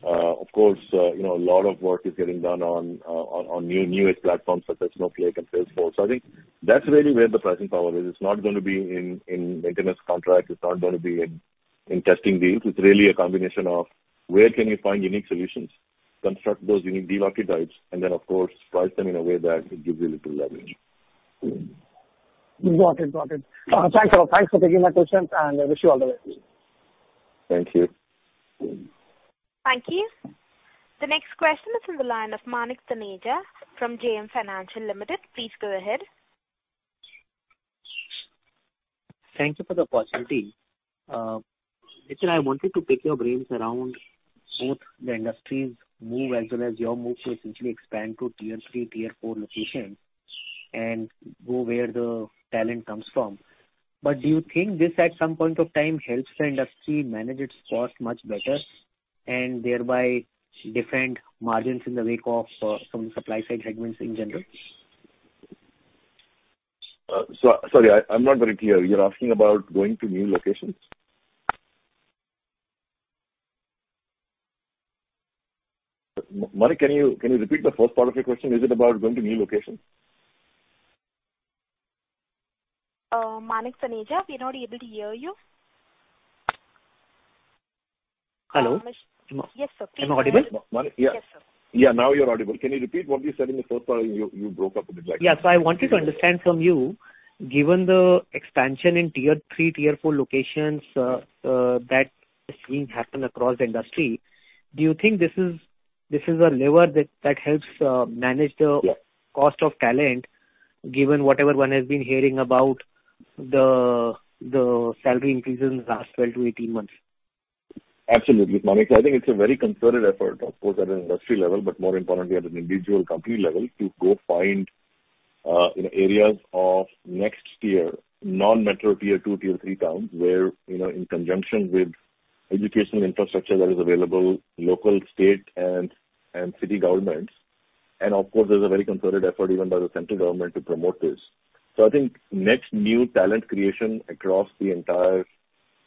Of course, you know, a lot of work is getting done on newest platforms such as Snowflake and Salesforce. I think that's really where the pricing power is. It's not gonna be in maintenance contracts. It's not gonna be in testing deals. It's really a combination of where can you find unique solutions, construct those unique deal archetypes, and then of course, price them in a way that it gives you little leverage. Got it. Thanks a lot. Thanks for taking my questions, and I wish you all the best. Thank you. Thank you. The next question is from the line of Manik Taneja from JM Financial Limited. Please go ahead. Thank you for the opportunity. Mitchell, I wanted to pick your brains around both the industry's move as well as your move to essentially expand to tier three, tier four locations and go where the talent comes from. Do you think this at some point of time helps the industry manage its cost much better and thereby different margins in the wake of, some supply side headwinds in general? Sorry, I'm not very clear. You're asking about going to new locations? Manik, can you repeat the first part of your question? Is it about going to new locations? Manik Taneja, we're not able to hear you. Hello? Yes, sir. Please go ahead. Am I audible? Manik, yeah. Yes, sir. Yeah, now you're audible. Can you repeat what you said in the first part? You broke up a bit, like. Yeah. I wanted to understand from you, given the expansion in tier three, tier four locations, that is being happened across the industry, do you think this is a lever that helps manage the- Yeah. Cost of talent given whatever one has been hearing about the salary increases in the last 12-18 months? Absolutely, Manik. I think it's a very concerted effort, of course, at an industry level, but more importantly at an individual company level to go find, you know, areas of next tier, non-metro tier two, tier three towns where, you know, in conjunction with educational infrastructure that is available, local, state, and city governments, and of course, there's a very concerted effort even by the central government to promote this. I think net new talent creation across the entire,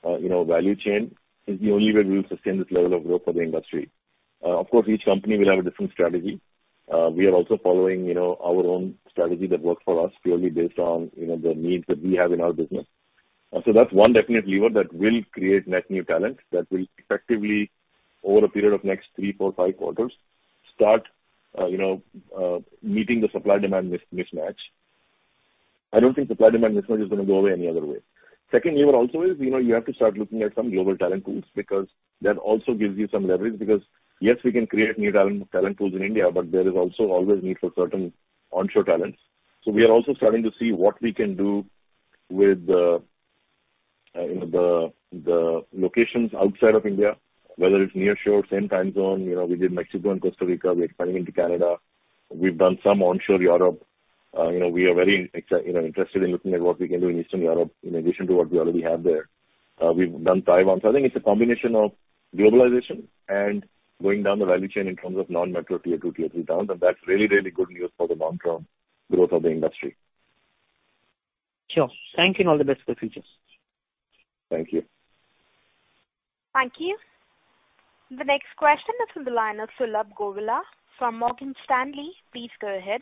you know, value chain is the only way we'll sustain this level of growth for the industry. Of course, each company will have a different strategy. We are also following, you know, our own strategy that works for us purely based on, you know, the needs that we have in our business. That's one definite lever that will create net new talent that will effectively over a period of next three, four, five quarters start you know meeting the supply-demand mismatch. I don't think supply-demand mismatch is gonna go away any other way. Second lever also is, you know, you have to start looking at some global talent pools because that also gives you some leverage because, yes, we can create new talent pools in India, but there is also always need for certain onshore talents. We are also starting to see what we can do with the locations outside of India, whether it's nearshore, same time zone. You know, we did Mexico and Costa Rica. We're expanding into Canada. We've done some onshore Europe. You know, we are very interested in looking at what we can do in Eastern Europe in addition to what we already have there. We've done Taiwan. I think it's a combination of globalization and going down the value chain in terms of non-metro tier two, tier three towns, and that's really, really good news for the long-term growth of the industry. Sure. Thank you, and all the best for the future. Thank you. Thank you. The next question is from the line of Sulabh Govila from Morgan Stanley. Please go ahead.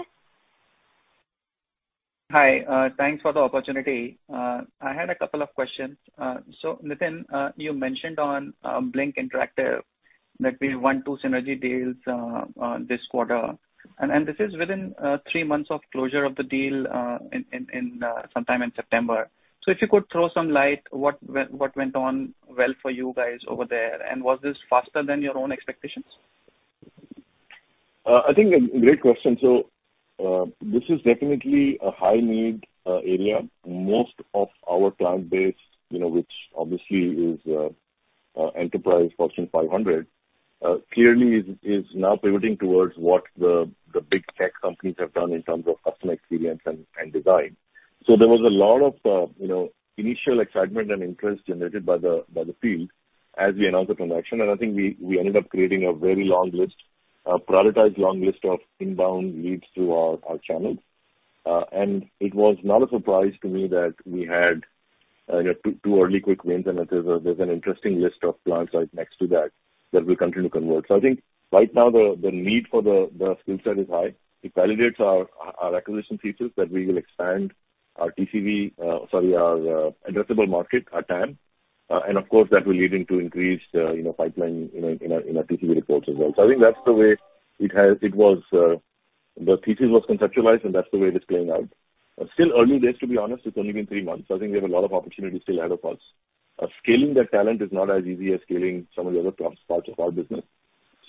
Hi. Thanks for the opportunity. I had a couple of questions. Nitin, you mentioned on Blink Interactive that we have won two synergy deals this quarter. This is within three months of closure of the deal in sometime in September. If you could throw some light on what went on well for you guys over there, and was this faster than your own expectations? I think a great question. This is definitely a high-need area. Most of our client base, you know, which obviously is enterprise Fortune 500, clearly is now pivoting towards what the big tech companies have done in terms of customer experience and design. There was a lot of you know initial excitement and interest generated by the field as we announced the transaction. I think we ended up creating a very long list, a prioritized long list of inbound leads through our channels. It was not a surprise to me that we had you know two early quick wins. There's an interesting list of clients right next to that that we're continuing to convert. I think right now, the need for the skill set is high. It validates our acquisition thesis that we will expand our TCV, our addressable market, our TAM. And of course, that will lead into increased pipeline in our TCV reports as well. I think that's the way it was conceptualized and that's the way it is playing out. Still early days, to be honest. It's only been three months. I think we have a lot of opportunity still ahead of us. Scaling that talent is not as easy as scaling some of the other parts of our business.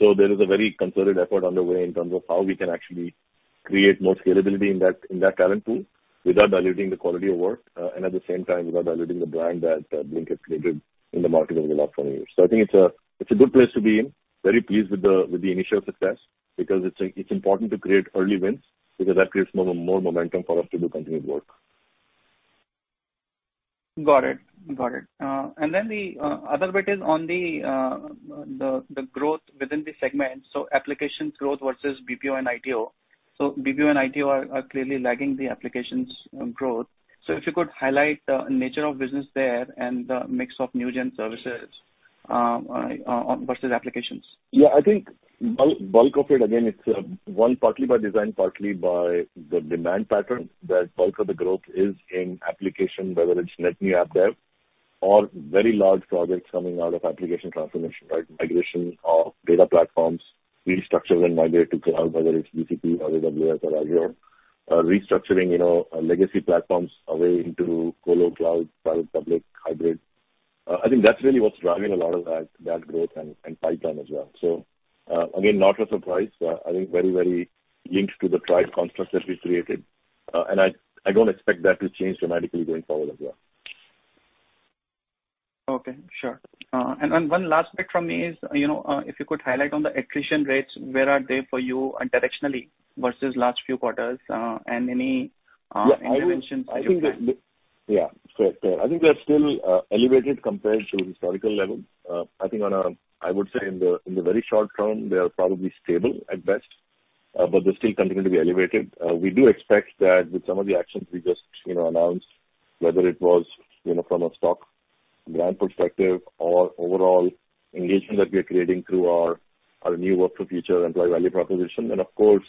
There is a very concerted effort underway in terms of how we can actually create more scalability in that talent pool without diluting the quality of work, and at the same time, without diluting the brand that Blink has created in the market over the last 20 years. I think it's a good place to be in. Very pleased with the initial success because it's important to create early wins because that creates more momentum for us to do continued work. Got it. The other bit is on the growth within the segment. Applications growth versus BPO and ITO. BPO and ITO are clearly lagging the applications growth. If you could highlight the nature of business there and the mix of new gen services versus applications. Yeah. I think the bulk of it, again, it's one partly by design, partly by the demand pattern, that the bulk of the growth is in application, whether it's net new app dev or very large projects coming out of application transformation, right? Migration of data platforms, restructure and migrate to cloud, whether it's GCP or AWS or Azure. Restructuring, you know, legacy platforms away into colo cloud, private, public, hybrid. I think that's really what's driving a lot of that growth and pipeline as well. Again, not a surprise. I think very linked to the Tribe construct that we've created. I don't expect that to change dramatically going forward as well. Okay. Sure. One last bit from me is, you know, if you could highlight on the attrition rates, where are they for you directionally versus last few quarters, and any interventions for your plan. Fair. I think they're still elevated compared to historical levels. I would say in the very short term, they are probably stable at best, but they're still continuing to be elevated. We do expect that with some of the actions we just announced, you know, whether it was from a stock grant perspective or overall engagement that we are creating through our new work for future employee value proposition. Of course,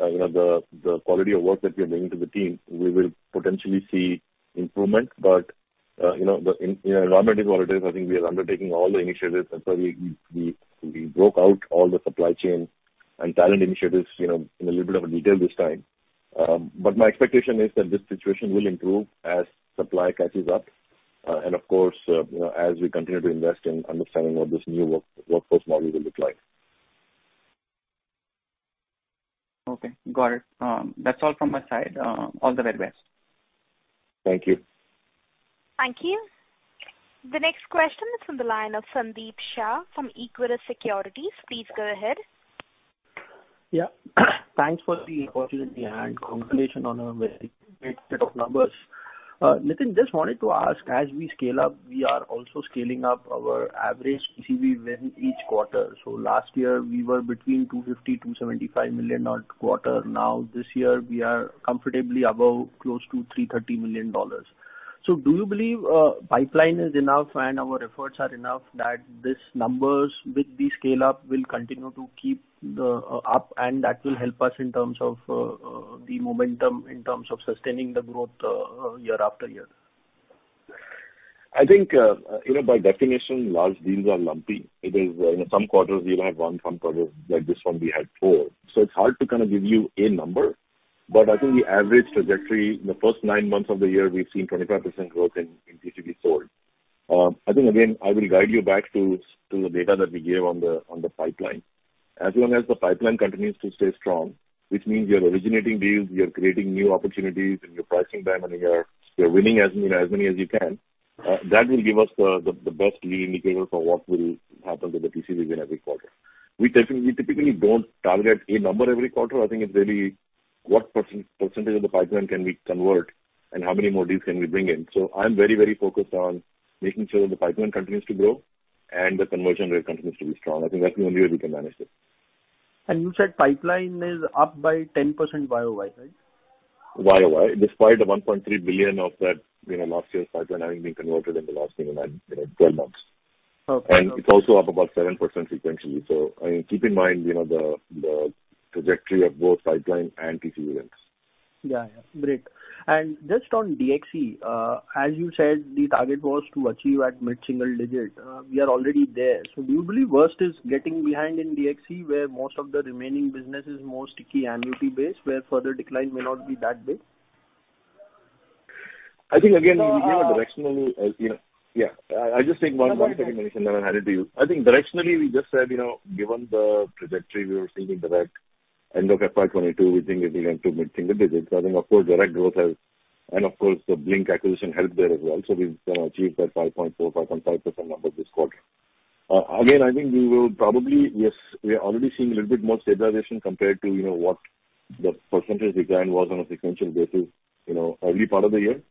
you know, the quality of work that we are bringing to the team, we will potentially see improvement. You know, the environment is what it is. I think we are undertaking all the initiatives. That's why we broke out all the supply chain and talent initiatives, you know, in a little bit of a detail this time. But my expectation is that this situation will improve as supply catches up, and of course, you know, as we continue to invest in understanding what this new workforce model will look like. Okay. Got it. That's all from my side. All the very best. Thank you. Thank you. The next question is from the line of Sandeep Shah from Equirus Securities. Please go ahead. Yeah. Thanks for the opportunity, and congratulations on a very great set of numbers. Nitin, just wanted to ask, as we scale up, we are also scaling up our average TCV win each quarter. Last year we were between $250 million-$275 million a quarter. Now this year we are comfortably above close to $330 million. Do you believe pipeline is enough and our efforts are enough that these numbers with the scale-up will continue to keep it up, and that will help us in terms of the momentum, in terms of sustaining the growth year after year? I think, you know, by definition, large deals are lumpy. It is, you know, some quarters you'll have one, some quarters, like this one, we had four. It's hard to kinda give you a number. I think the average trajectory in the first nine months of the year we've seen 25% growth in TCV sold. I think again, I will guide you back to the data that we gave on the pipeline. As long as the pipeline continues to stay strong, which means you're originating deals, you're creating new opportunities, and you're pricing them, and you're winning as many as you can, that will give us the best lead indicator for what will happen with the TCV win every quarter. We typically don't target a number every quarter. What percentage of the pipeline can we convert and how many more deals can we bring in? I'm very, very focused on making sure that the pipeline continues to grow and the conversion rate continues to be strong. I think that's the only way we can manage this. You said pipeline is up by 10% YOY, right? YOY, despite the $1.3 billion of that, you know, last year's pipeline having been converted in the last, you know, nine, you know, 12-months. Okay. It's also up about 7% sequentially. I mean, keep in mind, you know, the trajectory of both pipeline and TCV rates. Yeah, yeah. Great. Just on DXC, as you said, the target was to achieve at mid-single digit. We are already there. So do you believe worst is getting behind in DXC, where most of the remaining business is more sticky annuity-based, where further decline may not be that big? Yeah, I'll just take one second, Manish, and then I'll hand it to you. I think directionally we just said, you know, given the trajectory we were seeing in direct and looking at FY 2022, we think it'll be into mid-single digits. I think of course direct growth has, and of course the Blink acquisition helped there as well. We've, you know, achieved that 5.4-5.5% number this quarter. Yes, we are already seeing a little bit more stabilization compared to, you know, what the percentage decline was on a sequential basis, you know, early part of the year.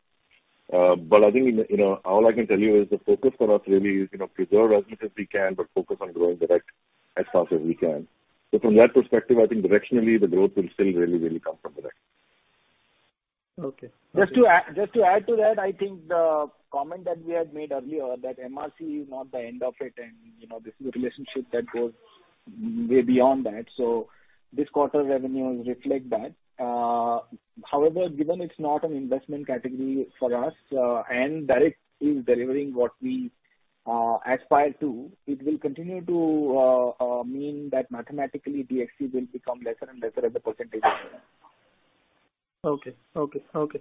I think, you know, all I can tell you is the focus for us really is, you know, preserve revenue as we can, but focus on growing direct as fast as we can. From that perspective, I think directionally the growth will still really come from direct. Okay. Just to add to that, I think the comment that we had made earlier that MRC is not the end of it and, you know, this is a relationship that goes way beyond that. This quarter's revenues reflect that. However, given it's not an investment category for us, and direct is delivering what we aspire to, it will continue to mean that mathematically DXC will become lesser and lesser as a percentage of revenue. Okay.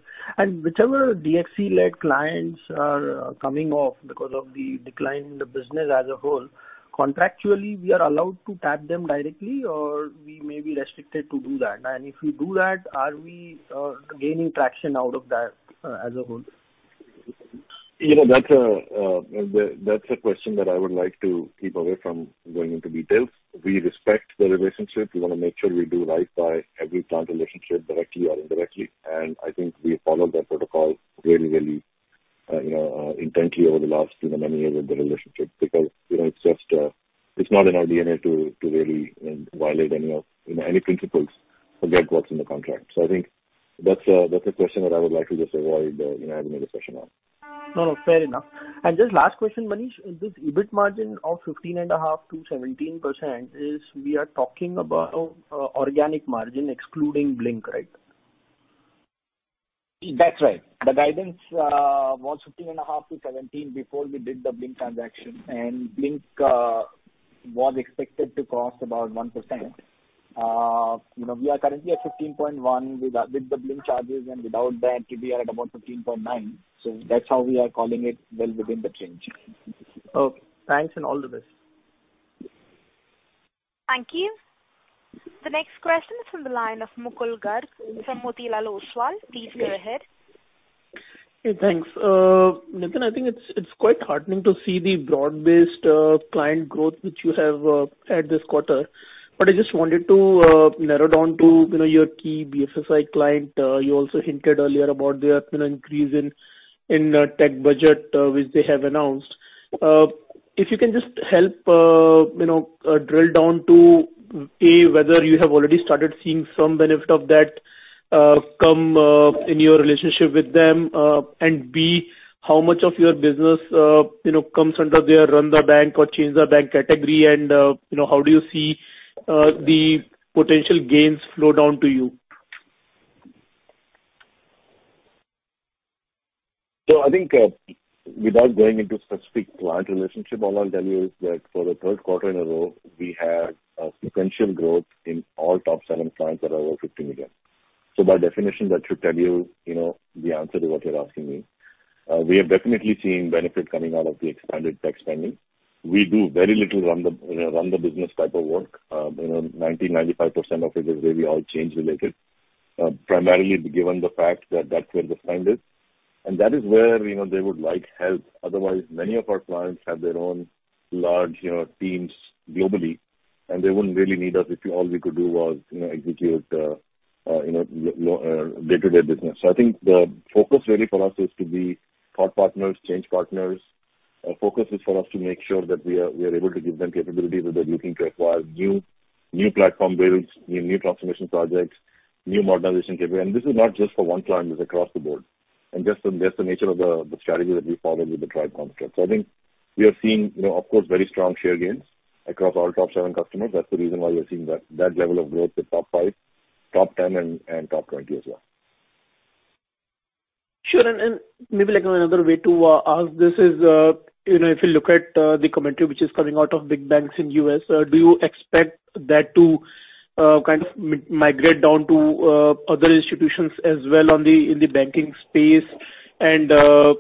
Whichever DXC-led clients are coming off because of the decline in the business as a whole, contractually we are allowed to tap them directly, or we may be restricted to do that. If we do that, are we gaining traction out of that as a whole? You know, that's a question that I would like to keep away from going into details. We respect the relationship. We wanna make sure we do right by every client relationship, directly or indirectly. I think we follow that protocol really you know intently over the last you know many years of the relationship because you know it's just it's not in our DNA to really violate any of you know any principles, forget what's in the contract. I think that's a question that I would like to just avoid you know having a discussion on. No, no, fair enough. Just last question, Manish, this EBIT margin of 15.5%-17% is we are talking about organic margin excluding Blink, right? That's right. The guidance was 15.5%-17% before we did the Blink transaction, and Blink was expected to cost about 1%. You know, we are currently at 15.1% with the Blink charges, and without that we are at about 15.9%. That's how we are calling it well within the range. Okay. Thanks, and all the best. Thank you. The next question is from the line of Mukul Garg from Motilal Oswal. Please go ahead. Hey, thanks. Nitin, I think it's quite heartening to see the broad-based client growth which you have had this quarter. I just wanted to narrow down to, you know, your key BFSI client. You also hinted earlier about their, you know, increase in tech budget, which they have announced. If you can just help, you know, drill down to, A, whether you have already started seeing some benefit of that, come in your relationship with them, and B, how much of your business, you know, comes under their run the bank or change the bank category and, you know, how do you see the potential gains flow down to you? I think, without going into specific client relationship, all I'll tell you is that for the third quarter in a row, we had a sequential growth in all top seven clients that are over $50 million. By definition that should tell you know, the answer to what you're asking me. We are definitely seeing benefit coming out of the expanded tech spending. We do very little run the business type of work. You know, 90%-95% of it is really all change related. Primarily given the fact that that's where the spend is and that is where, you know, they would like help. Otherwise, many of our clients have their own large, you know, teams globally, and they wouldn't really need us if all we could do was, you know, execute day-to-day business. I think the focus really for us is to be thought partners, change partners. Our focus is for us to make sure that we are able to give them capabilities that they're looking to acquire new platform builds, new transformation projects, new modernization capability. This is not just for one client, this is across the board. That's the nature of the strategy that we follow with the Tribe construct. I think we are seeing, you know, of course, very strong share gains across all top 7 customers. That's the reason why we are seeing that level of growth with top five, top 10 and top 20 as well. Sure. Maybe like another way to ask this is, you know, if you look at the commentary which is coming out of big banks in U.S., do you expect that to kind of migrate down to other institutions as well in the banking space and the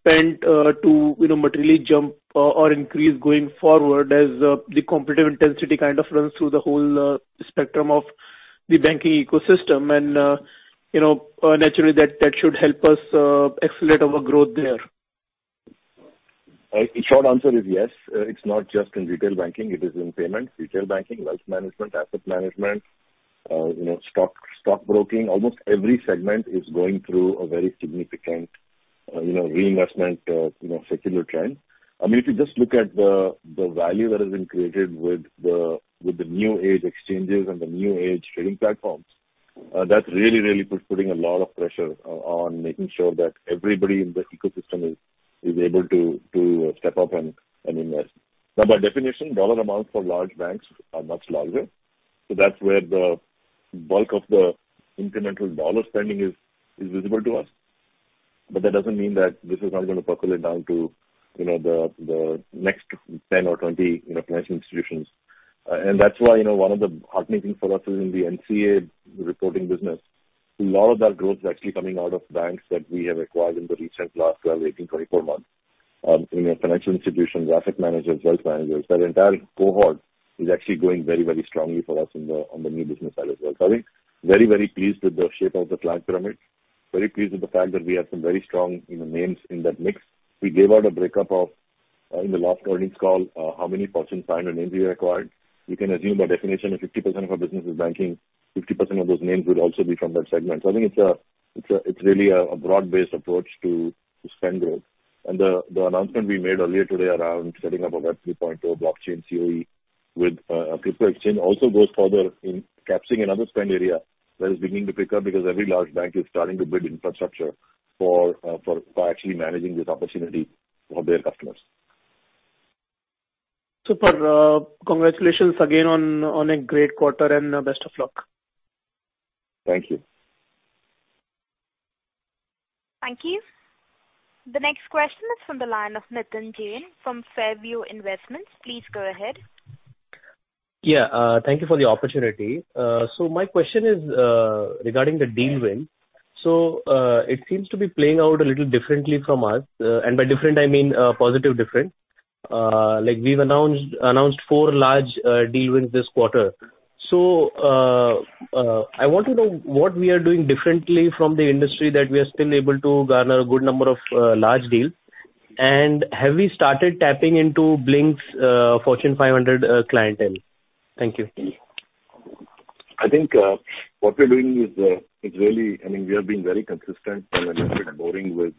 spend to, you know, materially jump or increase going forward as the competitive intensity kind of runs through the whole spectrum of the banking ecosystem and, you know, naturally that should help us accelerate our growth there? The short answer is yes. It's not just in retail banking, it is in payments, retail banking, wealth management, asset management, you know, stockbroking. Almost every segment is going through a very significant, you know, reinvestment, you know, secular trend. I mean, if you just look at the value that has been created with the new age exchanges and the new age trading platforms, that's really putting a lot of pressure on making sure that everybody in this ecosystem is able to step up and invest. Now, by definition, dollar amounts for large banks are much larger, so that's where the bulk of the incremental dollar spending is visible to us. That doesn't mean that this is not gonna percolate down to, you know, the next 10 or 20, you know, financial institutions. That's why, you know, one of the heartening thing for us is in the NCA reporting business. A lot of that growth is actually coming out of banks that we have acquired in the recent last 18, 24 months. You know, financial institutions, asset managers, wealth managers, that entire cohort is actually growing very, very strongly for us in the on the new business side as well. I think very, very pleased with the shape of the client pyramid. Very pleased with the fact that we have some very strong, you know, names in that mix. We gave out a breakup of in the last earnings call how many Fortune 500 names we acquired. You can assume by definition if 50% of our business is banking, 50% of those names would also be from that segment. I think it's really a broad-based approach to spend growth. The announcement we made earlier today around setting up a Web 3.0 blockchain CoE with a crypto exchange also goes further in capturing another spend area that is beginning to pick up because every large bank is starting to build infrastructure for actually managing this opportunity for their customers. Super. Congratulations again on a great quarter and best of luck. Thank you. Thank you. The next question is from the line of [unintellible]from Fairview Investments. Please go ahead. Thank you for the opportunity. My question is regarding the deal wins. It seems to be playing out a little differently from us. By different, I mean a positive different. Like, we've announced four large deal wins this quarter. I want to know what we are doing differently from the industry that we are still able to garner a good number of large deals. Have we started tapping into Blink's Fortune 500 clientele? Thank you. I think what we're doing is really. I mean, we are being very consistent and a little bit boring with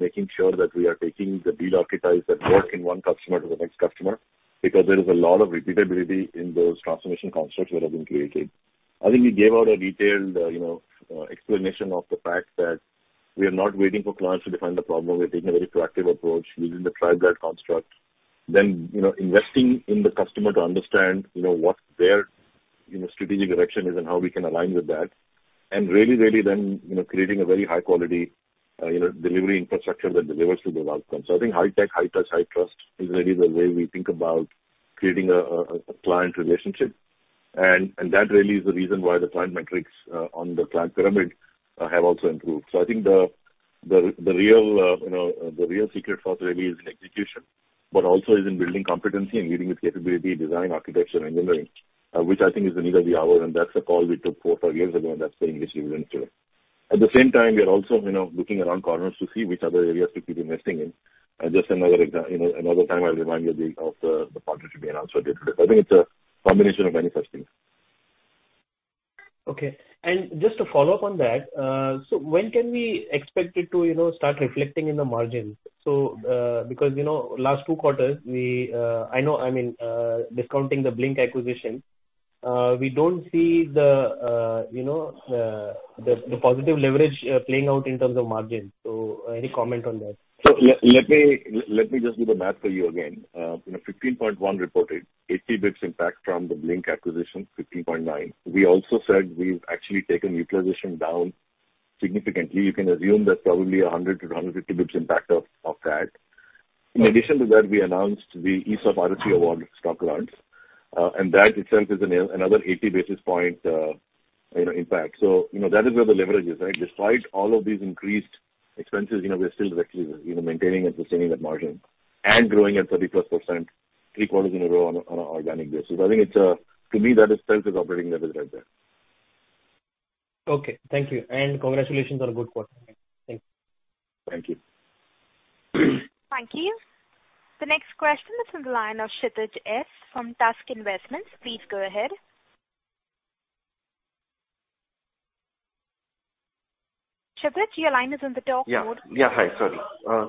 making sure that we are taking the deal architect that works in one customer to the next customer because there is a lot of repeatability in those transformation constructs that have been created. I think we gave out a detailed, you know, explanation of the fact that we are not waiting for clients to define the problem. We're taking a very proactive approach using the Tribe-led construct, you know, investing in the customer to understand, you know, what their, you know, strategic direction is and how we can align with that. Really then, you know, creating a very high quality, you know, delivery infrastructure that delivers to those outcomes. I think high-tech, high-touch, high-trust is really the way we think about creating a client relationship. That really is the reason why the client metrics on the client pyramid have also improved. I think the real secret sauce really is in execution, but also is in building competency and leading with capability, design, architecture, engineering, which I think is the need of the hour, and that's a call we took 4-5 years ago, and that's paying dividends today. At the same time, we are also looking around corners to see which other areas to keep investing in. Another time I'll remind you of the partnership we announced earlier today. I think it's a combination of many such things. Okay. Just to follow up on that, so when can we expect it to, you know, start reflecting in the margins? Because, you know, last two quarters, we. I know, I mean, discounting the Blink acquisition, we don't see the, you know, the positive leverage playing out in terms of margins. Any comment on that? Let me just do the math for you again. You know, 15.1 reported 80 basis points impact from the Blink acquisition, 15.9. We also said we've actually taken utilization down significantly. You can assume that's probably 100-150 basis points impact of that. In addition to that, we announced the ESOP refresh awarded stock grants, and that itself is another 80 basis points impact. You know, that is where the leverage is, right? Despite all of these increased expenses, you know, we are still actually maintaining and sustaining that margin and growing at 30%+ three quarters in a row on a organic basis. I think it's to me that itself is operating leverage right there. Okay. Thank you. Congratulations on a good quarter. Thanks. Thank you. Thank you. The next question is from the line of [inaudible] from TASC Investments. Please go ahead. [inaudible] your line is on the talk mode. Hi, sorry.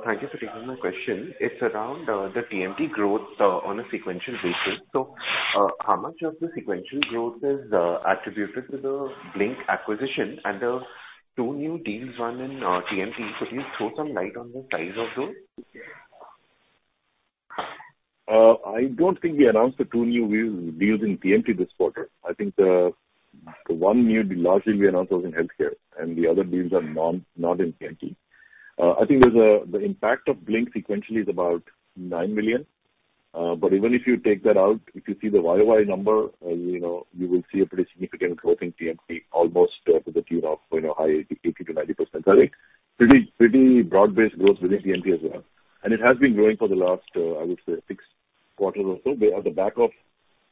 Thank you for taking my question. It's around the TMT growth on a sequential basis. How much of the sequential growth is attributed to the Blink acquisition and the two new deals won in TMT. Please throw some light on the size of those. I don't think we announced the two new deals in TMT this quarter. I think the one new large deal we announced was in healthcare and the other deals are not in TMT. I think there's a. The impact of Blink sequentially is about $9 million. But even if you take that out, if you see the YOY number, you know, you will see a pretty significant growth in TMT almost to the tune of high 80%-90%. I think pretty broad-based growth within TMT as well. It has been growing for the last, I would say six quarters or so. We are at the back of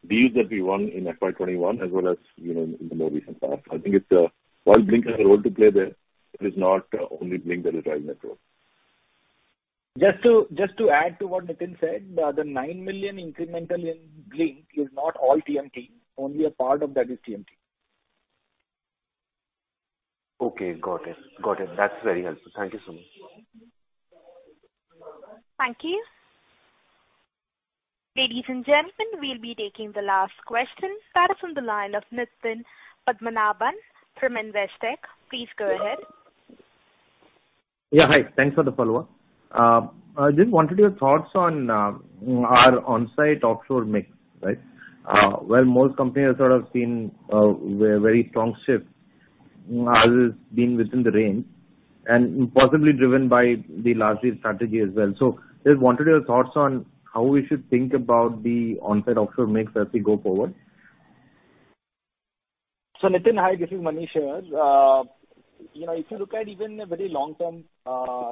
deals that we won in FY 2021 as well as, you know, in the more recent past. I think it's while Blink has a role to play there, it is not only Blink that is driving that growth. Just to add to what Nitin said, the $9 million incremental in Blink is not all TMT. Only a part of that is TMT. Okay. Got it. That's very helpful. Thank you, sir. Thank you. Ladies and gentlemen, we'll be taking the last question. That is from the line of Nitin Padmanabhan from Investec. Please go ahead. Yeah. Hi. Thanks for the follow-up. I just wanted your thoughts on our on-site offshore mix. Right. Where most companies have sort of seen a very strong shift, ours has been within the range and possibly driven by the last-mile strategy as well. Just wanted your thoughts on how we should think about the on-site offshore mix as we go forward. Nitin, hi, this is Manish here. You know, if you look at even the very long-term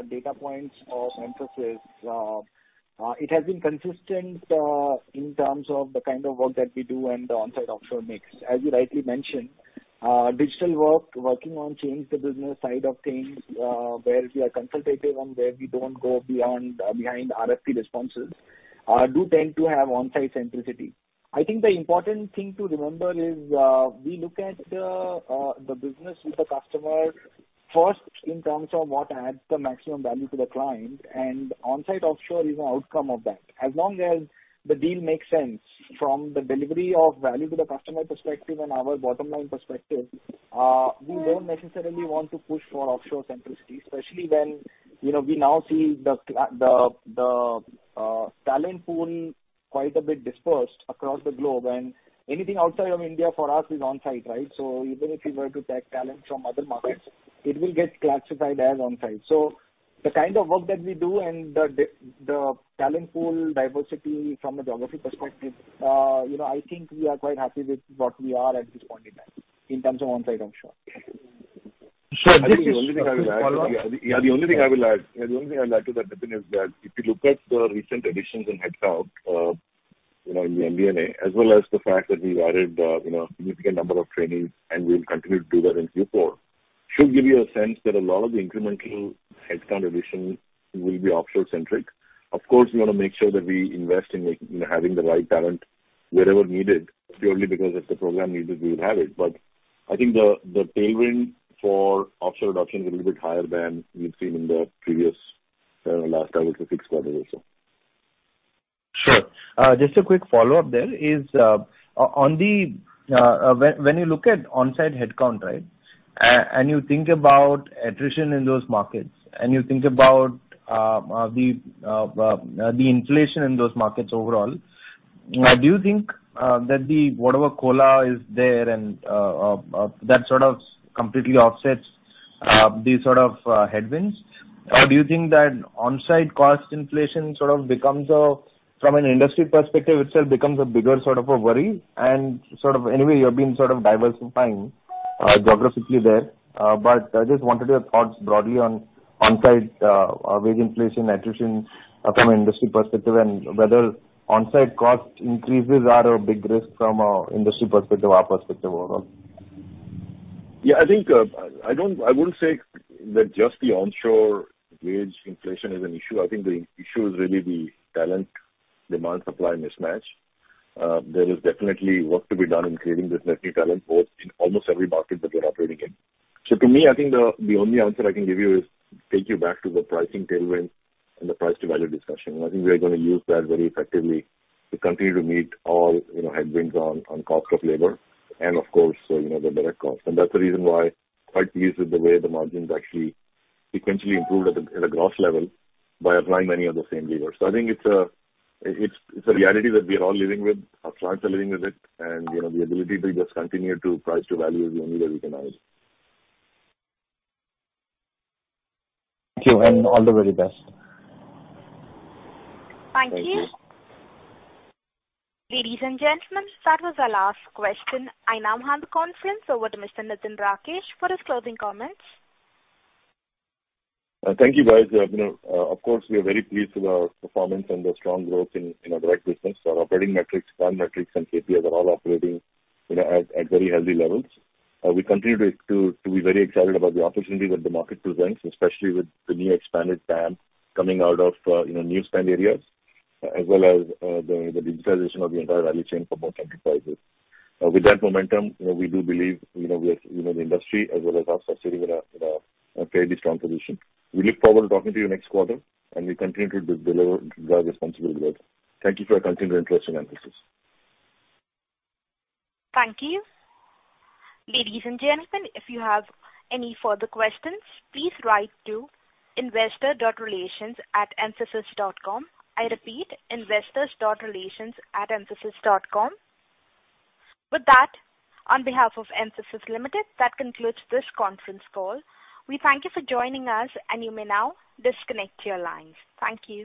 data points of Mphasis, it has been consistent in terms of the kind of work that we do and the on-site offshore mix. As you rightly mentioned, digital work, working on changing the business side of things, where we are consultative and where we do go beyond the RFP responses, do tend to have on-site centricity. I think the important thing to remember is, we look at the business with the customer first in terms of what adds the maximum value to the client and on-site offshore is an outcome of that. As long as the deal makes sense from the delivery of value to the customer perspective and our bottom line perspective, we don't necessarily want to push for offshore centricity, especially when, you know, we now see the talent pool quite a bit dispersed across the globe. Anything outside of India for us is on-site, right? Even if we were to take talent from other markets, it will get classified as on-site. The kind of work that we do and the talent pool diversity from a geography perspective, you know, I think we are quite happy with what we are at this point in time in terms of on-site, I'm sure. Sure. Just a quick follow-up. Yeah. The only thing I'd add to that, Nitin, is that if you look at the recent additions in headcount, you know, in the MD&A, as well as the fact that we've added you know, significant number of trainees and we'll continue to do that in Q4, should give you a sense that a lot of the incremental headcount addition will be offshore-centric. Of course, we wanna make sure that we invest in, like, you know, having the right talent wherever needed, purely because if the program needs it, we will have it. I think the tailwind for offshore adoption is a little bit higher than we've seen in the previous last five to six quarters or so. Sure. Just a quick follow-up. When you look at on-site headcount, right, and you think about attrition in those markets, and you think about the inflation in those markets overall, do you think that the whatever COLA is there and that sort of completely offsets these sort of headwinds? Or do you think that on-site cost inflation sort of becomes a bigger sort of a worry from an industry perspective itself? Anyway, you have been sort of diversifying geographically there. But I just wanted your thoughts broadly on on-site wage inflation, attrition, from an industry perspective and whether on-site cost increases are a big risk from an industry perspective or our perspective overall. Yeah, I think I wouldn't say that just the onshore wage inflation is an issue. I think the issue is really the talent demand-supply mismatch. There is definitely work to be done in creating this new talent both in almost every market that we're operating in. To me, I think the only answer I can give you is take you back to the pricing tailwind and the price to value discussion. I think we are gonna use that very effectively to continue to meet all, you know, headwinds on cost of labor and of course, you know, the direct costs. That's the reason why I'm quite pleased with the way the margins actually sequentially improved at a gross level by applying many of the same levers. I think it's a reality that we are all living with, our clients are living with it, and, you know, the ability to just continue to price to value is the only way we can manage. Thank you, and all the very best. Thank you. Thank you. Ladies and gentlemen, that was our last question. I now hand the conference over to Mr. Nitin Rakesh for his closing comments. Thank you, guys. You know, of course, we are very pleased with our performance and the strong growth in our direct business. Our operating metrics, core metrics and KPIs are all operating, you know, at very healthy levels. We continue to be very excited about the opportunity that the market presents, especially with the new expanded TAM coming out of, you know, new spend areas as well as the digitalization of the entire value chain for most enterprises. With that momentum, you know, we do believe, you know, we are you know, the industry as well as us are sitting with a fairly strong position. We look forward to talking to you next quarter, and we continue to deliver our responsibility well. Thank you for your continued interest in Mphasis. Thank you. Ladies and gentlemen, if you have any further questions, please write to investor.relations@mphasis.com. I repeat, investors.relations@mphasis.com. With that, on behalf of Mphasis Limited, that concludes this conference call. We thank you for joining us, and you may now disconnect your lines. Thank you.